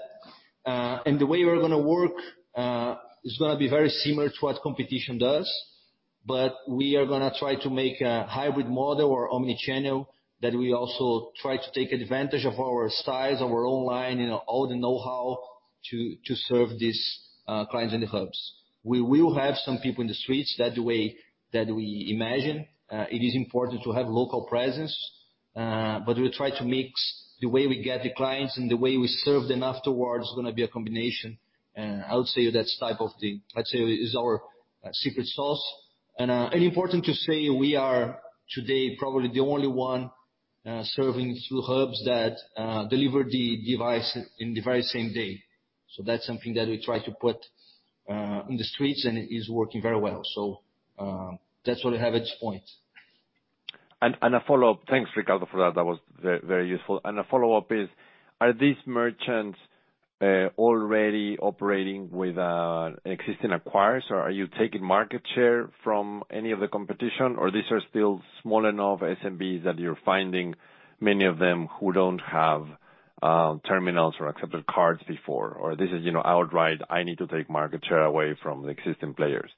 The way we're gonna work is gonna be very similar to what competition does, but we are gonna try to make a hybrid model or omni-channel, that we also try to take advantage of our size, our online, all the know-how to serve these clients in the hubs. We will have some people in the streets. That the way that we imagine. It is important to have local presence. We try to mix the way we get the clients and the way we serve them afterwards is going to be a combination. I would say that type of thing, I'd say is our secret sauce. Important to say we are today probably the only one serving through hubs that deliver the device in the very same day. That's something that we try to put in the streets, and it is working very well. That's what I have at this point. A follow-up. Thanks, Ricardo, for that. That was very useful. A follow-up is, are these merchants already operating with an existing acquirers, or are you taking market share from any of the competition, or these are still small enough SMBs that you're finding many of them who don't have terminals or accepted cards before? Or this is outright, I need to take market share away from the existing players.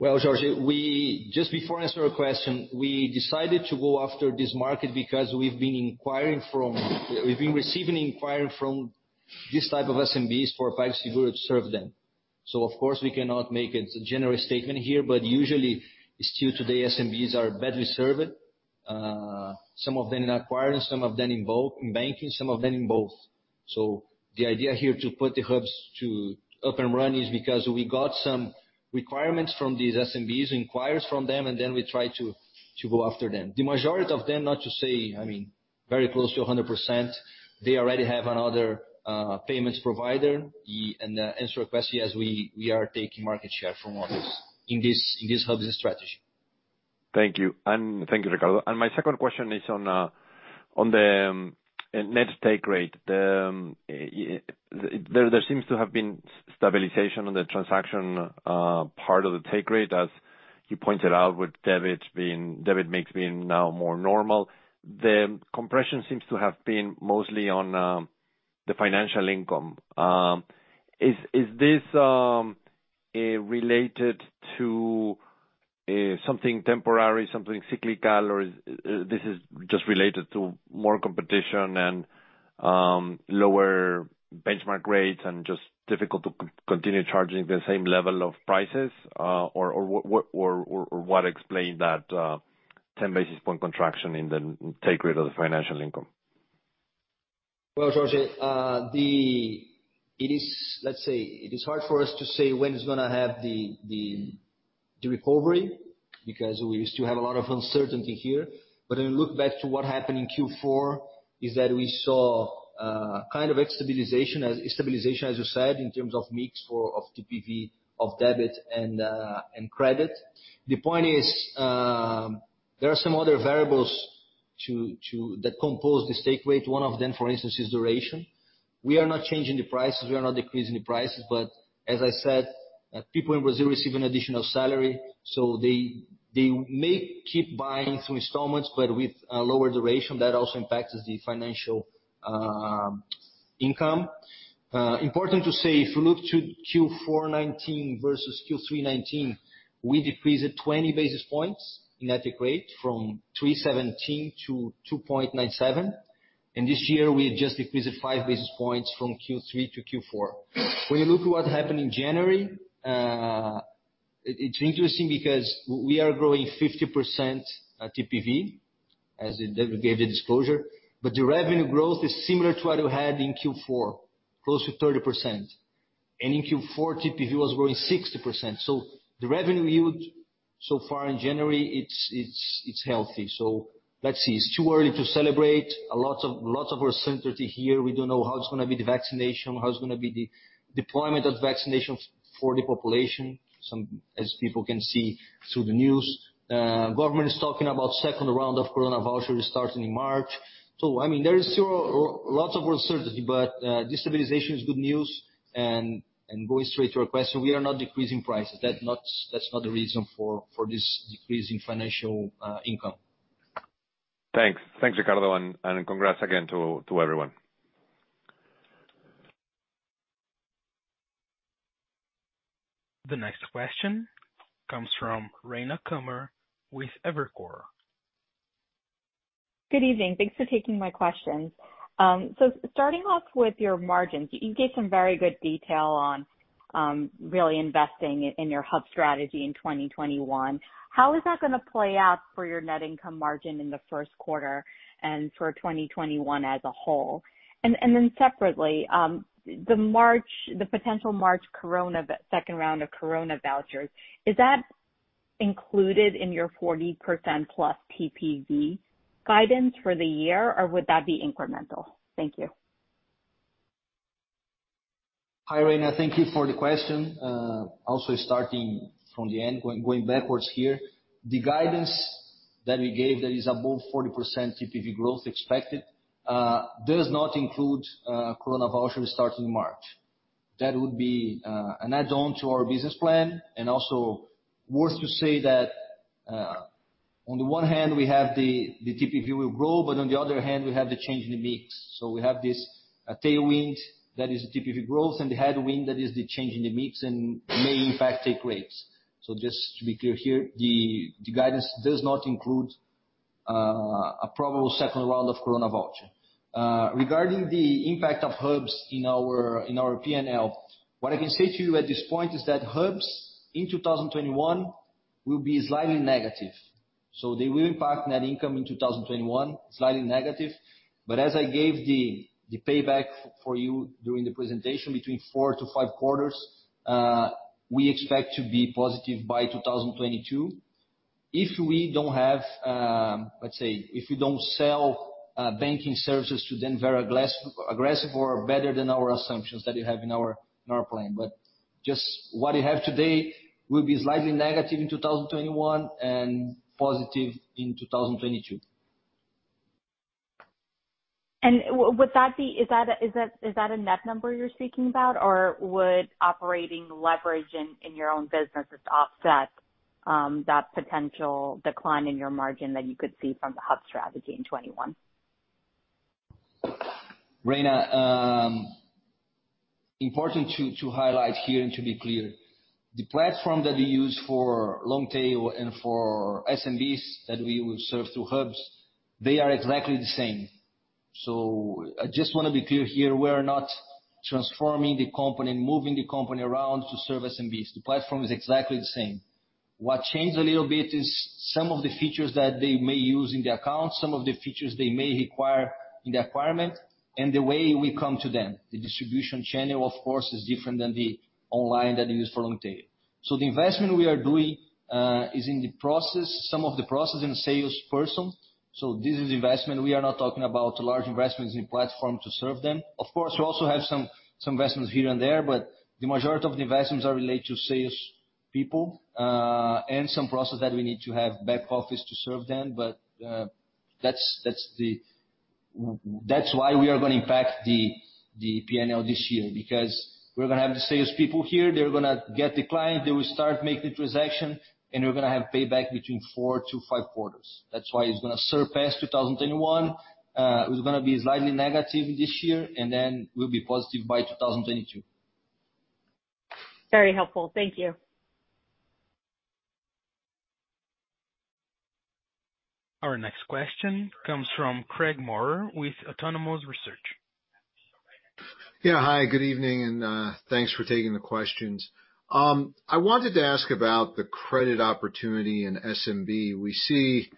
Jorge, just before I answer your question, we decided to go after this market because we've been receiving inquiry from this type of SMBs for PagSeguro to serve them. Of course, we cannot make a general statement here, but usually still today SMBs are badly served. Some of them in acquiring, some of them in banking, some of them in both. The idea here to put the hubs up and running is because we got some requirements from these SMBs, inquiries from them, and then we try to go after them. The majority of them, not to say, I mean, very close to 100%, they already have another payments provider. To answer your question, yes, we are taking market share from others in this hubs strategy. Thank you. Thank you, Ricardo. My second question is on the net take rate. There seems to have been stabilization on the transaction part of the take rate, as you pointed out, with debit mix being now more normal. The compression seems to have been mostly on the financial income. Is this related to something temporary, something cyclical, or this is just related to more competition and lower benchmark rates and just difficult to continue charging the same level of prices? What explained that 10 basis point contraction in the take rate of the financial income? Well, Jorge, let's say it is hard for us to say when it's going to have the recovery, because we still have a lot of uncertainty here. When we look back to what happened in Q4, is that we saw a kind of stabilization, as you said, in terms of mix of TPV, of debit and credit. The point is, there are some other variables that compose the stake rate. One of them, for instance, is duration. We are not changing the prices. We are not decreasing the prices. As I said, people in Brazil receive an additional salary, so they may keep buying through installments, but with a lower duration. That also impacts the financial income. Important to say, if you look to Q4 2019 versus Q3 2019, we decreased 20 basis points in that take rate from 3.17 to 2.97. This year we just decreased five basis points from Q3 to Q4. When you look at what happened in January, it's interesting because we are growing 50% TPV, as Artur gave the disclosure, but the revenue growth is similar to what we had in Q4, close to 30%. In Q4, TPV was growing 60%. The revenue yield so far in January, it's healthy. Let's see. It's too early to celebrate. A lot of uncertainty here. We don't know how it's going to be, the vaccination, how it's going to be the deployment of vaccination for the population. As people can see through the news, government is talking about second round of coronavoucher starting in March. There is still lots of uncertainty, but this stabilization is good news. Going straight to your question, we are not decreasing prices. That's not the reason for this decrease in financial income. Thanks. Thanks, Ricardo, and congrats again to everyone. The next question comes from Rayna Kumar with Evercore. Good evening. Thanks for taking my questions. Starting off with your margins, you gave some very good detail on really investing in your hub strategy in 2021. How is that going to play out for your net income margin in the first quarter and for 2021 as a whole? Separately, the potential March second round of coronavoucher, is that included in your 40%+ TPV guidance for the year or would that be incremental? Thank you. Hi, Rayna. Thank you for the question. Starting from the end, going backwards here. The guidance that we gave that is above 40% TPV growth expected does not include coronavoucher starting March. That would be an add-on to our business plan. Worth to say that on the one hand, we have the TPV will grow, but on the other hand we have the change in the mix. We have this tailwind that is TPV growth and the headwind that is the change in the mix and may impact take rates. Just to be clear here, the guidance does not include a probable second round of coronavoucher. Regarding the impact of hubs in our P&L, what I can say to you at this point is that hubs in 2021 will be slightly negative. They will impact net income in 2021 slightly negative. As I gave the payback for you during the presentation, between four to five quarters, we expect to be positive by 2022. If we don't sell banking services to them very aggressive or better than our assumptions that we have in our plan. Just what we have today will be slightly negative in 2021 and positive in 2022. Is that a net number you're speaking about, or would operating leverage in your own businesses offset that potential decline in your margin that you could see from the hub strategy in 2021? Rayna, important to highlight here and to be clear, the platform that we use for long tail and for SMBs that we will serve through hubs, they are exactly the same. I just want to be clear here, we're not transforming the company and moving the company around to serve SMBs. The platform is exactly the same. What changed a little bit is some of the features that they may use in the account, some of the features they may require in the requirement, and the way we come to them. The distribution channel, of course, is different than the online that we use for long tail. The investment we are doing is in some of the process and salesperson. This is investment. We are not talking about large investments in platform to serve them. Of course, we also have some investments here and there, but the majority of the investments are related to sales people, and some process that we need to have back office to serve them. That's why we are going to impact the P&L this year, because we're going to have the salespeople here, they're going to get the client, they will start making the transaction, and we're going to have payback between four to five quarters. That's why it's going to surpass 2021. It was going to be slightly negative this year, and then we'll be positive by 2022. Very helpful. Thank you. Our next question comes from Craig Maurer with Autonomous Research. Yeah. Hi, good evening, and thanks for taking the questions. I wanted to ask about the credit opportunity in SMB. We see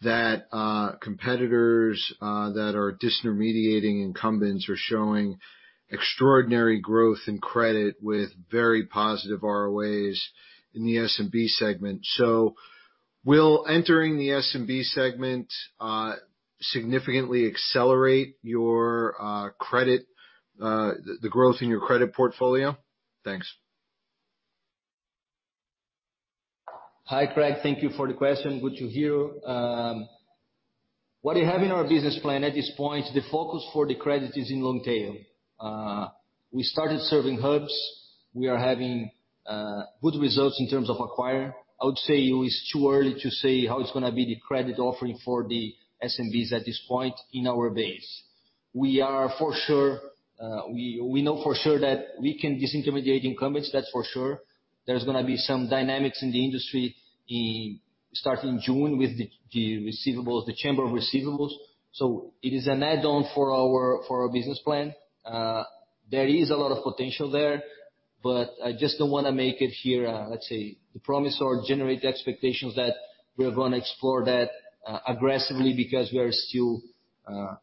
that competitors that are disintermediating incumbents are showing extraordinary growth in credit with very positive ROAs in the SMB segment. Will entering the SMB segment significantly accelerate the growth in your credit portfolio? Thanks. Hi, Craig. Thank you for the question. Good to hear. What we have in our business plan at this point, the focus for the credit is in long tail. We started serving hubs. We are having good results in terms of acquire. I would say it is too early to say how it's going to be the credit offering for the SMBs at this point in our base. We know for sure that we can disintermediate incumbents, that's for sure. There's going to be some dynamics in the industry starting June with the chamber of receivables. It is an add-on for our business plan. There is a lot of potential there, but I just don't want to make it here, let's say, the promise or generate the expectations that we are going to explore that aggressively because we are still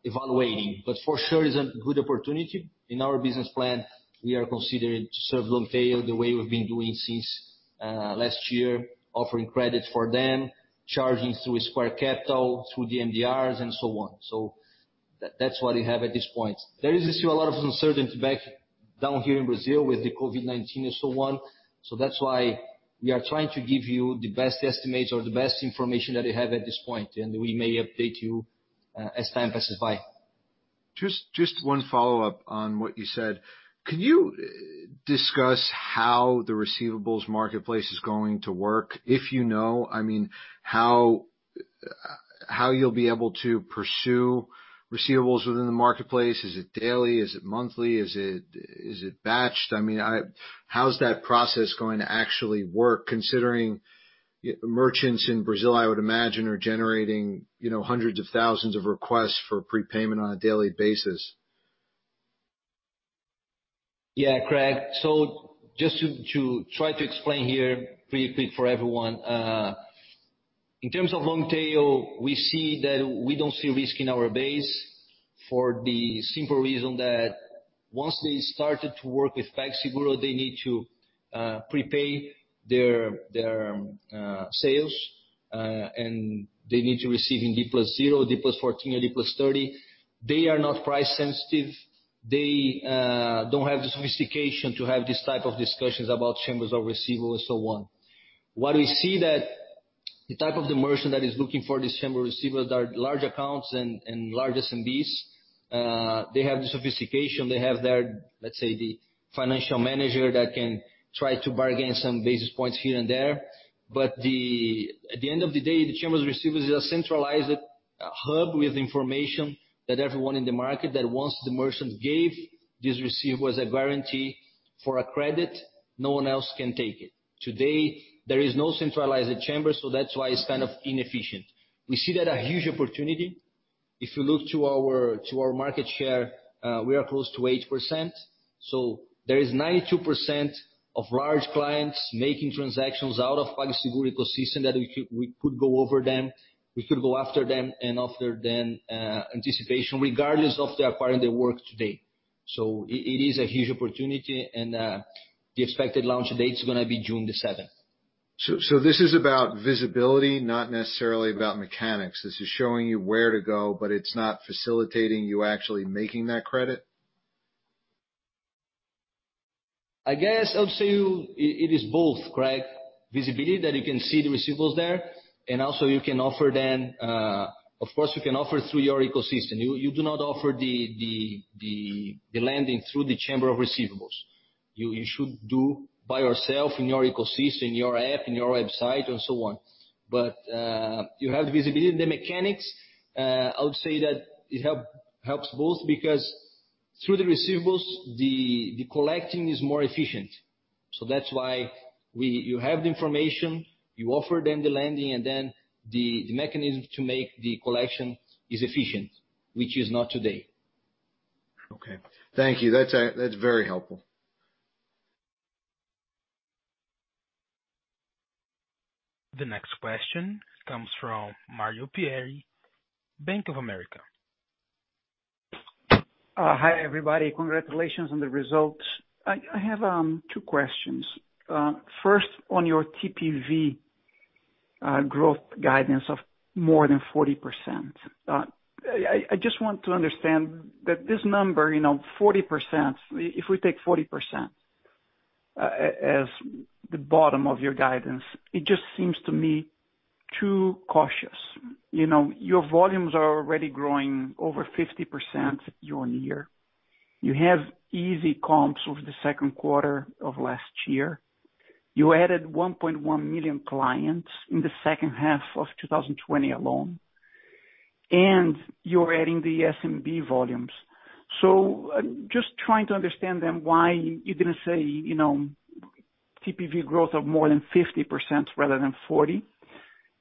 evaluating. For sure it's a good opportunity. In our business plan, we are considering to serve long tail the way we've been doing since last year, offering credits for them, charging through Square Capital, through the MDRs, and so on. That's what we have at this point. There is still a lot of uncertainty back down here in Brazil with the COVID-19 and so on. That's why we are trying to give you the best estimates or the best information that we have at this point, and we may update you as time passes by. Just one follow-up on what you said. Could you discuss how the receivables marketplace is going to work, if you know? How you'll be able to pursue receivables within the marketplace? Is it daily? Is it monthly? Is it batched? How's that process going to actually work, considering merchants in Brazil, I would imagine, are generating hundreds of thousands of requests for prepayment on a daily basis. Craig. Just to try to explain here pretty quick for everyone. In terms of long tail, we see that we don't see risk in our base for the simple reason that once they started to work with PagSeguro, they need to prepay their sales, and they need to receive in D+0, D+14, or D+30. They are not price sensitive. They don't have the sophistication to have this type of discussions about chambers of receivables, so on. We see that the type of the merchant that is looking for this chamber of receivables are large accounts and large SMBs. They have the sophistication, they have their, let's say, the financial manager that can try to bargain some basis points here and there. At the end of the day, the chamber of receivables is a centralized hub with information that everyone in the market that once the merchant gave these receivables a guarantee for a credit, no one else can take it. Today, there is no centralized chamber, that's why it's kind of inefficient. We see that a huge opportunity. If you look to our market share, we are close to 8%. There is 92% of large clients making transactions out of PagSeguro ecosystem that we could go after them. We could go after them and offer them anticipation regardless of their part in their work today. It is a huge opportunity, and the expected launch date is going to be June the 7th. This is about visibility, not necessarily about mechanics. This is showing you where to go, but it's not facilitating you actually making that credit? I guess I'll say it is both, Craig. Visibility that you can see the receivables there. Of course, you can offer through your ecosystem. You do not offer the lending through the chamber of receivables. You should do by yourself in your ecosystem, in your app, in your website, and so on. You have the visibility and the mechanics. I would say that it helps both because through the receivables, the collecting is more efficient. That's why you have the information, you offer them the lending, and then the mechanism to make the collection is efficient, which is not today. Okay. Thank you. That's very helpful. The next question comes from Mario Pierry, Bank of America. Hi, everybody. Congratulations on the results. I have two questions. On your TPV growth guidance of more than 40%. I just want to understand that this number, 40%, if we take 40% as the bottom of your guidance. It just seems to me too cautious. Your volumes are already growing over 50% year-over-year. You have easy comps over the second quarter of last year. You added 1.1 million clients in the second half of 2020 alone, you're adding the SMB volumes. Just trying to understand why you didn't say TPV growth of more than 50% rather than 40%.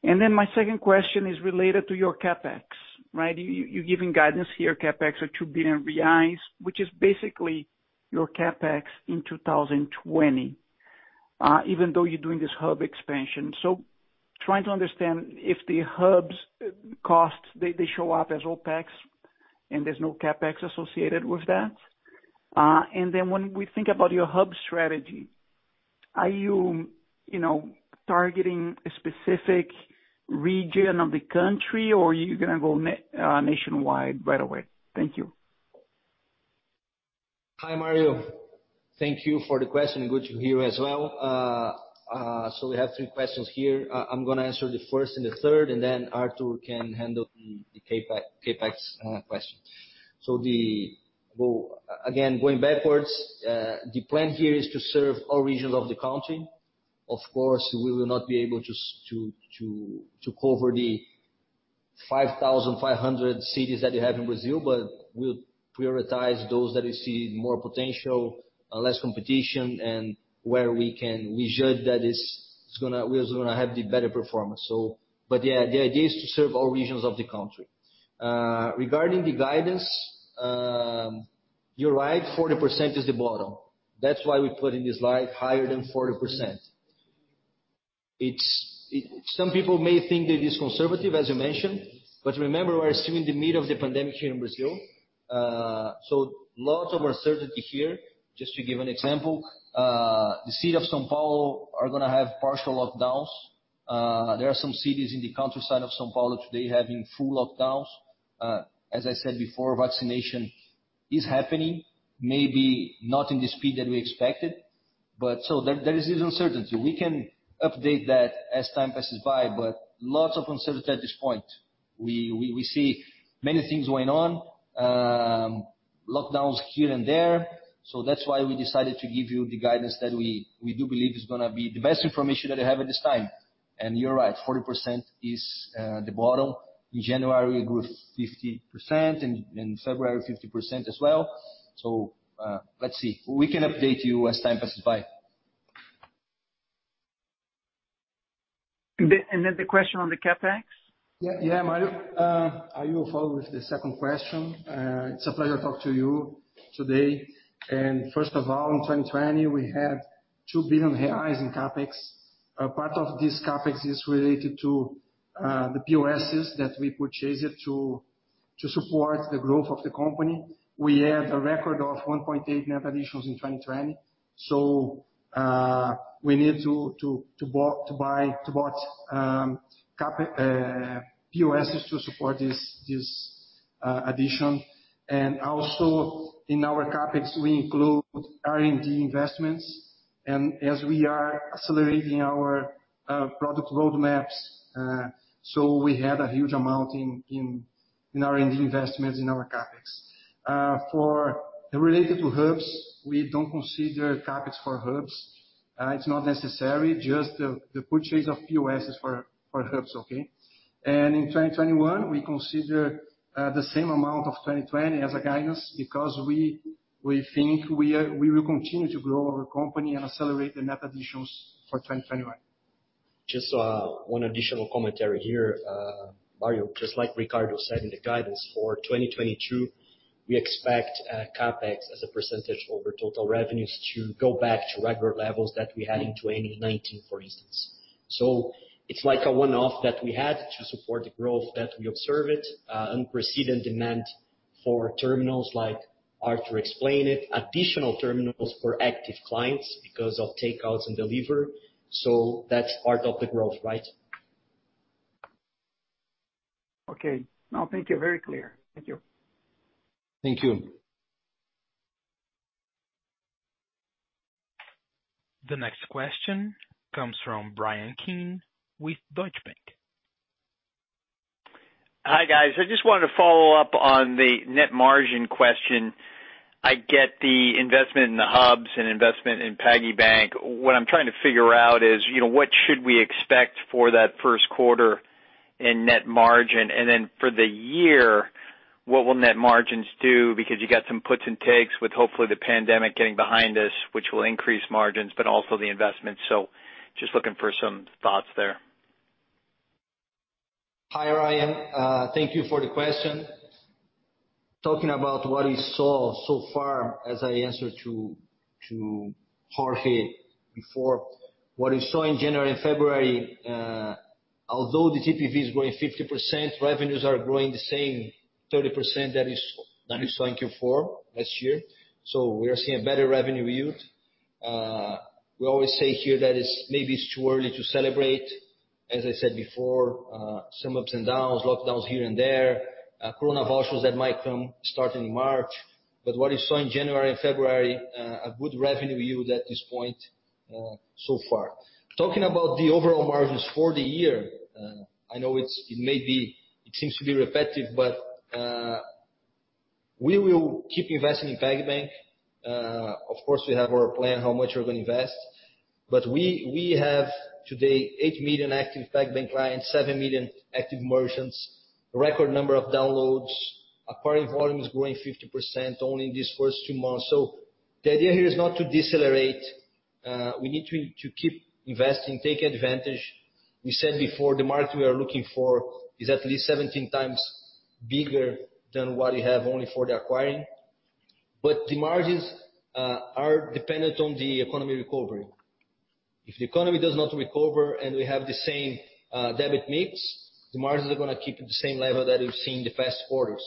My second question is related to your CapEx. You're giving guidance here, CapEx of 2 billion reais, which is basically your CapEx in 2020, even though you're doing this hub expansion. Trying to understand if the hubs costs, they show up as OpEx, and there's no CapEx associated with that. When we think about your hub strategy, are you targeting a specific region of the country, or you're going to go nationwide right away? Thank you. Hi, Mario. Thank you for the question, and good to hear you as well. We have three questions here. I'm going to answer the first and the third, and Artur can handle the CapEx question. Again, going backwards, the plan here is to serve all regions of the country. Of course, we will not be able to cover the 5,500 cities that you have in Brazil, but we'll prioritize those that we see more potential, less competition, and where we judge that we're going to have the better performance. The idea is to serve all regions of the country. Regarding the guidance, you're right, 40% is the bottom. That's why we put in this slide higher than 40%. Some people may think that it is conservative, as you mentioned, but remember, we're still in the middle of the pandemic here in Brazil. Lots of uncertainty here. Just to give an example, the city of São Paulo are going to have partial lockdowns. There are some cities in the countryside of São Paulo today having full lockdowns. As I said before, vaccination is happening, maybe not in the speed that we expected. There is this uncertainty. We can update that as time passes by, lots of uncertainty at this point. We see many things going on, lockdowns here and there. That's why we decided to give you the guidance that we do believe is going to be the best information that I have at this time. You're right, 40% is the bottom. In January, we grew 50%, in February 50% as well. Let's see. We can update you as time passes by. The question on the CapEx. Mario. I will follow with the second question. It's a pleasure to talk to you today. First of all, in 2020, we had 2 billion reais in CapEx. Part of this CapEx is related to the POSs that we purchased to support the growth of the company. We had a record of 1.8 net additions in 2020. We need to bought POSs to support this addition. Also in our CapEx, we include R&D investments. As we are accelerating our product roadmaps, so we had a huge amount in R&D investments in our CapEx. For related to hubs, we don't consider CapEx for hubs. It's not necessary, just the purchase of POSs for hubs. In 2021, we consider the same amount of 2020 as a guidance because we think we will continue to grow our company and accelerate the net additions for 2021. Just one additional commentary here. Mario, just like Ricardo said in the guidance for 2022, we expect CapEx as a percentage over total revenues to go back to regular levels that we had in 2019, for instance. It's like a one-off that we had to support the growth that we observed, unprecedented demand for terminals like Artur explained it, additional terminals for active clients because of takeouts and delivery. That's part of the growth. Okay. No, thank you. Very clear. Thank you. Thank you. The next question comes from Bryan Keane with Deutsche Bank. Hi, guys. I just wanted to follow up on the net margin question. I get the investment in the hubs and investment in PagBank. What I'm trying to figure out is what should we expect for that first quarter in net margin? For the year, what will net margins do? You got some puts and takes with hopefully the pandemic getting behind us, which will increase margins, but also the investments. Just looking for some thoughts there. Hi, Bryan. Thank you for the question. Talking about what we saw so far as I answered to Jorge before. What we saw in January and February, although the TPV is growing 50%, revenues are growing the same 30% that we saw in Q4 last year. We are seeing a better revenue yield. We always say here that maybe it's too early to celebrate. As I said before, some ups and downs, lockdowns here and there, coronavouchers that might come starting in March. What you saw in January and February, a good revenue yield at this point so far. Talking about the overall margins for the year, I know it seems to be repetitive, but we will keep investing in PagBank. Of course, we have our plan how much we're going to invest. We have today eight million active PagBank clients, seven million active merchants, a record number of downloads. Acquiring volume is growing 50% only in these first two months. The idea here is not to decelerate. We need to keep investing, take advantage. We said before, the market we are looking for is at least 17x bigger than what we have only for the acquiring. The margins are dependent on the economy recovery. If the economy does not recover and we have the same debit mix, the margins are going to keep at the same level that we've seen in the past quarters.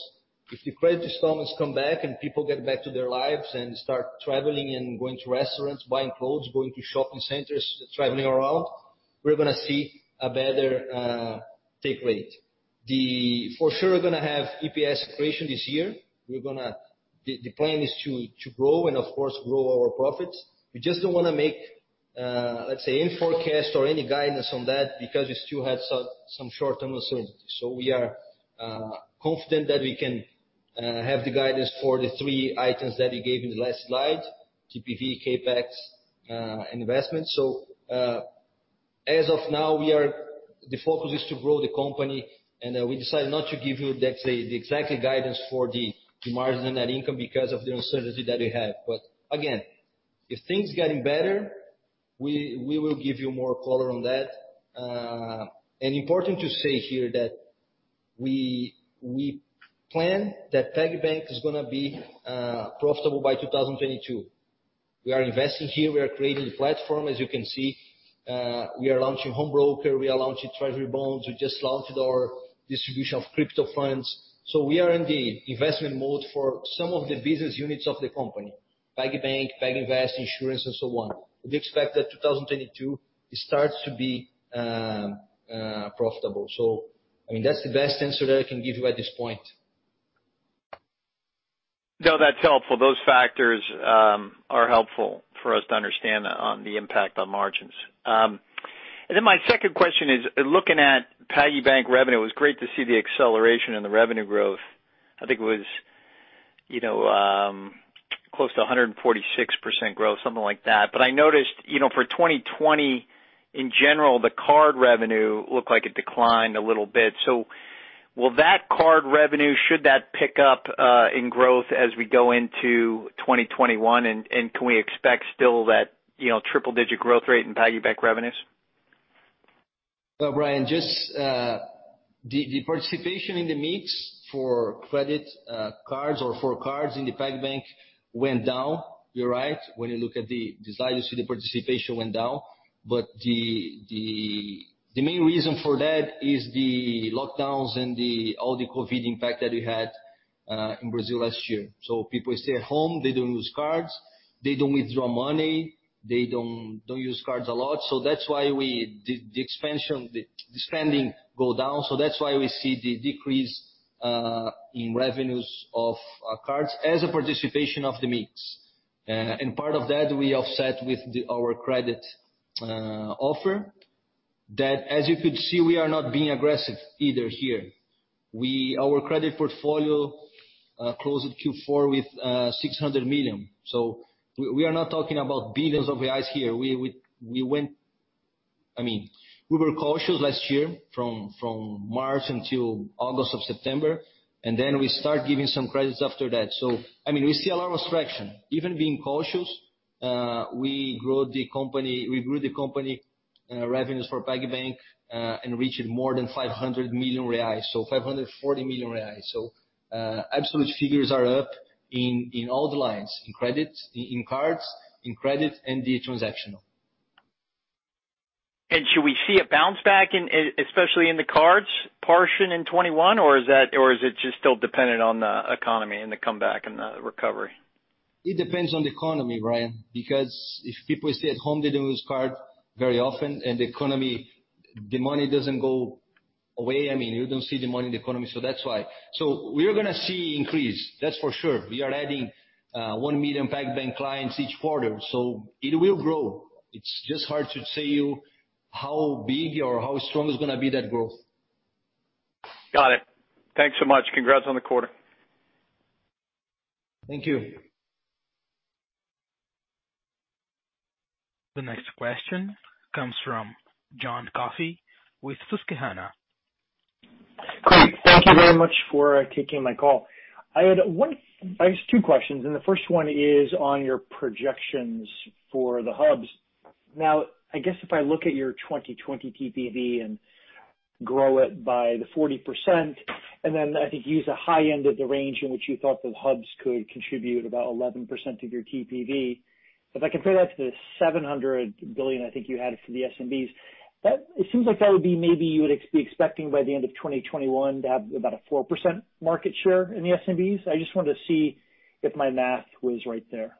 If the credit installments come back and people get back to their lives and start traveling and going to restaurants, buying clothes, going to shopping centers, traveling around, we're going to see a better take rate. We're going to have EPS creation this year. The plan is to grow and, of course, grow our profits. We just don't want to make, let's say, any forecast or any guidance on that because we still have some short-term uncertainty. We are confident that we can have the guidance for the three items that we gave in the last slide, TPV, CapEx, investment. As of now, the focus is to grow the company, and we decided not to give you the exact guidance for the margin and net income because of the uncertainty that we have. Again, if things getting better, we will give you more color on that. Important to say here that we plan that PagBank is going to be profitable by 2022. We are investing here. We are creating the platform, as you can see. We are launching home broker. We are launching treasury bonds. We just launched our distribution of crypto funds. We are in the investment mode for some of the business units of the company, PagBank, PagInvest, insurance, and so on. We expect that 2022 it starts to be profitable. That's the best answer that I can give you at this point. No, that's helpful. Those factors are helpful for us to understand on the impact on margins. My second question is looking at PagBank revenue, it was great to see the acceleration in the revenue growth. I think it was close to 146% growth, something like that. I noticed for 2020, in general, the card revenue looked like it declined a little bit. Will that card revenue, should that pick up in growth as we go into 2021, and can we expect still that triple-digit growth rate in PagBank revenues? Well, Bryan, just the participation in the mix for credit cards or for cards in the PagBank went down. You're right. When you look at the slides, you see the participation went down. The main reason for that is the lockdowns and all the COVID impact that we had in Brazil last year. People stay at home, they don't use cards, they don't withdraw money, they don't use cards a lot. That's why the spending go down. That's why we see the decrease in revenues of cards as a participation of the mix. Part of that, we offset with our credit offer. That, as you could see, we are not being aggressive either here. Our credit portfolio closed Q4 with 600 million. We are not talking about billions of reals here. We were cautious last year from March until August or September, and then we start giving some credits after that. We see a lot of restriction. Even being cautious, we grew the company revenues for PagBank and reached more than 500 million reais, so 540 million reais. Absolute figures are up in all the lines, in credits, in cards, in credit, and the transactional. Should we see a bounce back, especially in the cards portion in 2021, or is it just still dependent on the economy and the comeback and the recovery? It depends on the economy, Bryan, because if people stay at home, they don't use card very often, and the money doesn't go away. You don't see the money in the economy, that's why. We're going to see increase, that's for sure. We are adding one million PagBank clients each quarter, it will grow. It's just hard to tell you how big or how strong is going to be that growth. Got it. Thanks so much. Congrats on the quarter. Thank you. The next question comes from John Coffey with Susquehanna. Great. Thank you very much for taking my call. I guess two questions. The first one is on your projections for the hubs. Now, I guess if I look at your 2020 TPV and grow it by the 40%, then I think use the high end of the range in which you thought the hubs could contribute about 11% of your TPV. If I compare that to the 700 billion I think you had for the SMBs, it seems like that would be maybe you would be expecting by the end of 2021 to have about a 4% market share in the SMBs. I just wanted to see if my math was right there.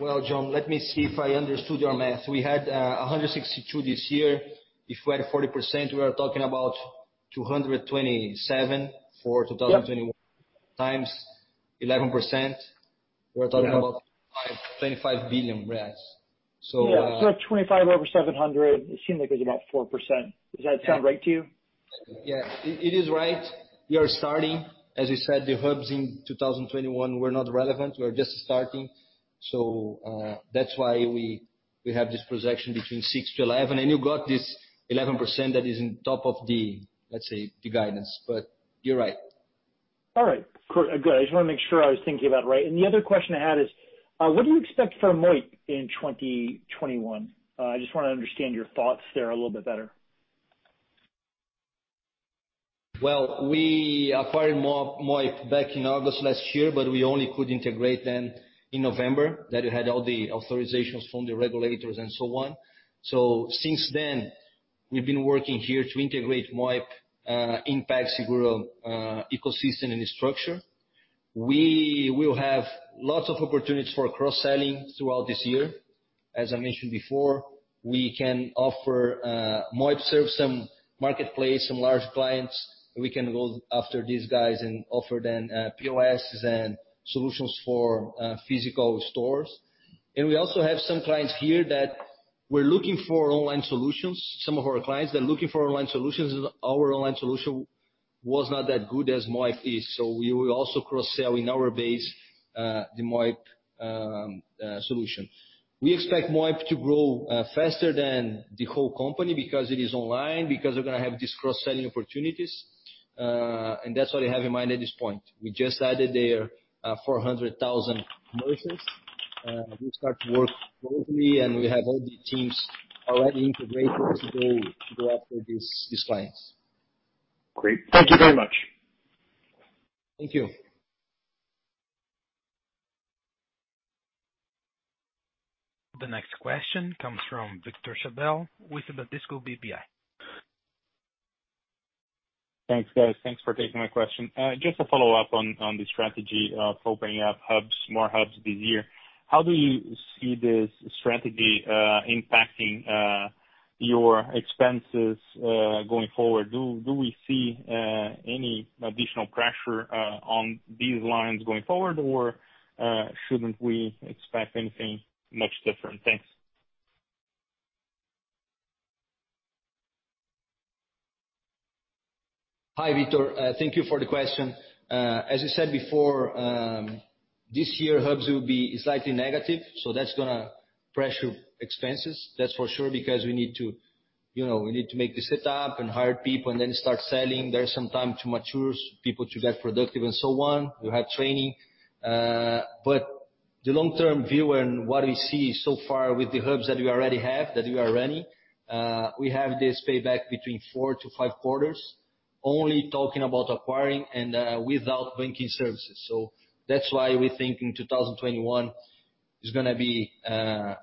Well, John, let me see if I understood your math. We had 162 this year. If we had 40%, we are talking about 227 for 2021. Yep. Times 11%, we're talking about 25 billion reais, yes. Yeah. 25 over 700, it seems like it's about 4%. Does that sound right to you? Yeah. It is right. We are starting. As you said, the hubs in 2021 were not relevant. We're just starting. That's why we have this projection between six to 11, and you got this 11% that is on top of the, let's say, the guidance. You're right. All right. Good. I just want to make sure I was thinking about it right. The other question I had is, what do you expect from Moip in 2021? I just want to understand your thoughts there a little bit better. We acquired Moip back in August last year, but we only could integrate them in November, that we had all the authorizations from the regulators and so on. Since then, we've been working here to integrate Moip in PagSeguro ecosystem and structure. We will have lots of opportunities for cross-selling throughout this year. As I mentioned before, we can offer Moip serves some marketplace, some large clients. We can go after these guys and offer them POS and solutions for physical stores. We also have some clients here that were looking for online solutions. Some of our clients, they're looking for online solutions, our online solution was not that good as Moip is. We will also cross-sell in our base the Moip solution. We expect Moip to grow faster than the whole company because it is online, because we're going to have these cross-selling opportunities. That's what we have in mind at this point. We just added their 400,000 merchants. We start to work closely, and we have all the teams already integrated to go after these clients. Great. Thank you very much. Thank you. The next question comes from Victor Schabbel with Bradesco BBI. Thanks, guys. Thanks for taking my question. Just a follow-up on the strategy of opening up more hubs this year. How do you see this strategy impacting your expenses going forward? Do we see any additional pressure on these lines going forward, or shouldn't we expect anything much different? Thanks. Hi, Victor. Thank you for the question. As I said before, this year hubs will be slightly negative. That's going to pressure expenses, that's for sure, because we need to make the setup and hire people and then start selling. There's some time to mature, people to get productive and so on. We have training. The long-term view and what we see so far with the hubs that we already have, that we are running, we have this payback between four to five quarters, only talking about acquiring and without banking services. That's why we think in 2021 is going to be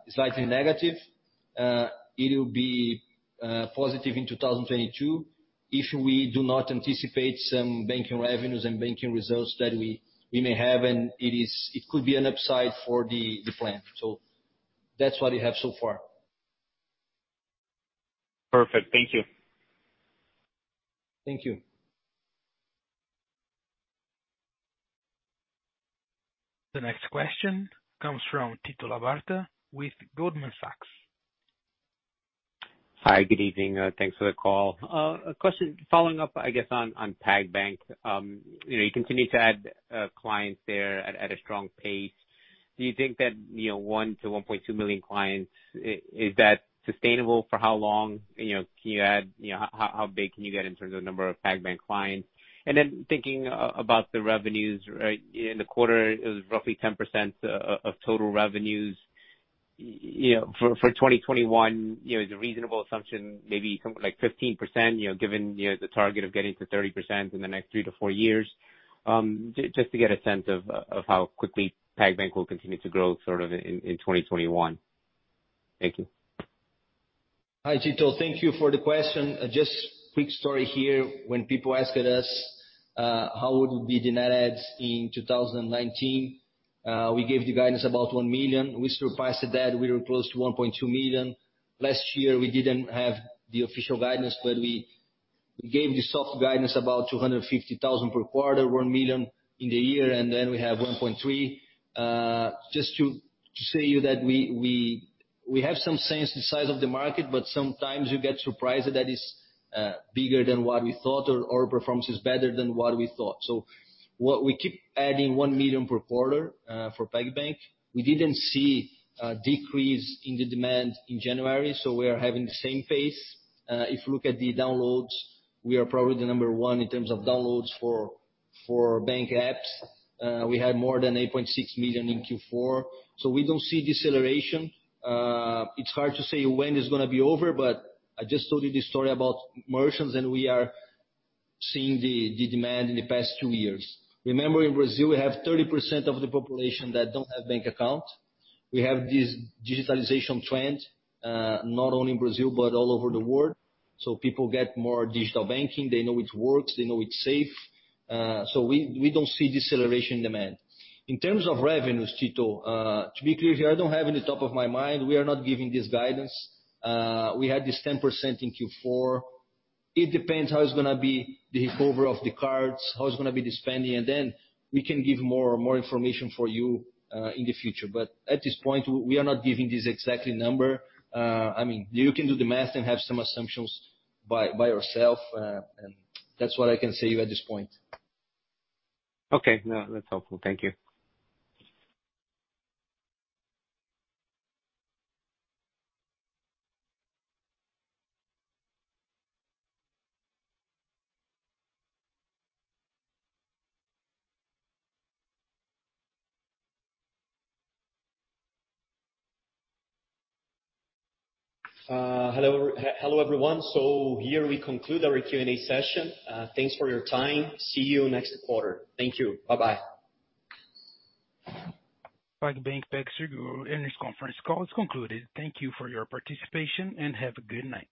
slightly negative. It will be positive in 2022 if we do not anticipate some banking revenues and banking results that we may have, and it could be an upside for the plan. That's what we have so far. Perfect. Thank you Thank you. The next question comes from Tito Labarta with Goldman Sachs. Hi, good evening. Thanks for the call. A question following up, I guess, on PagBank. You continue to add clients there at a strong pace. Do you think that 1-1.2 million clients, is that sustainable for how long? How big can you get in terms of number of PagBank clients? Then thinking about the revenues, right, in the quarter is roughly 10% of total revenues. For 2021, is a reasonable assumption maybe something like 15% given the target of getting to 30% in the next three to four years? Just to get a sense of how quickly PagBank will continue to grow sort of in 2021. Thank you. Hi, Tito. Thank you for the question. Quick story here. When people asked us how would be the net adds in 2019, we gave the guidance about one million. We surpassed that. We were close to 1.2 million. Last year, we didn't have the official guidance, we gave the soft guidance about 250,000 per quarter, one million in the year, then we have 1.3. To say that we have some sense the size of the market, sometimes you get surprised that is bigger than what we thought or our performance is better than what we thought. What we keep adding one million per quarter for PagBank. We didn't see a decrease in the demand in January, we are having the same pace. If you look at the downloads, we are probably the number one in terms of downloads for bank apps. We had more than 8.6 million in Q4. We don't see deceleration. It's hard to say when it's going to be over, I just told you this story about merchants, and we are seeing the demand in the past two years. Remember, in Brazil, we have 30% of the population that don't have bank account. We have this digitalization trend, not only in Brazil but all over the world. People get more digital banking. They know it works, they know it's safe. We don't see deceleration demand. In terms of revenues, Tito, to be clear here, I don't have in the top of my mind. We are not giving this guidance. We had this 10% in Q4. It depends how it's going to be the recovery of the cards, how it's going to be the spending. Then we can give more information for you in the future. At this point, we are not giving this exact number. You can do the math and have some assumptions by yourself. That's what I can say at this point. Okay. No, that's helpful. Thank you. Hello, everyone. Here we conclude our Q&A session. Thanks for your time. See you next quarter. Thank you. Bye-bye. PagBank, PagSeguro earnings conference call is concluded. Thank you for your participation, and have a good night.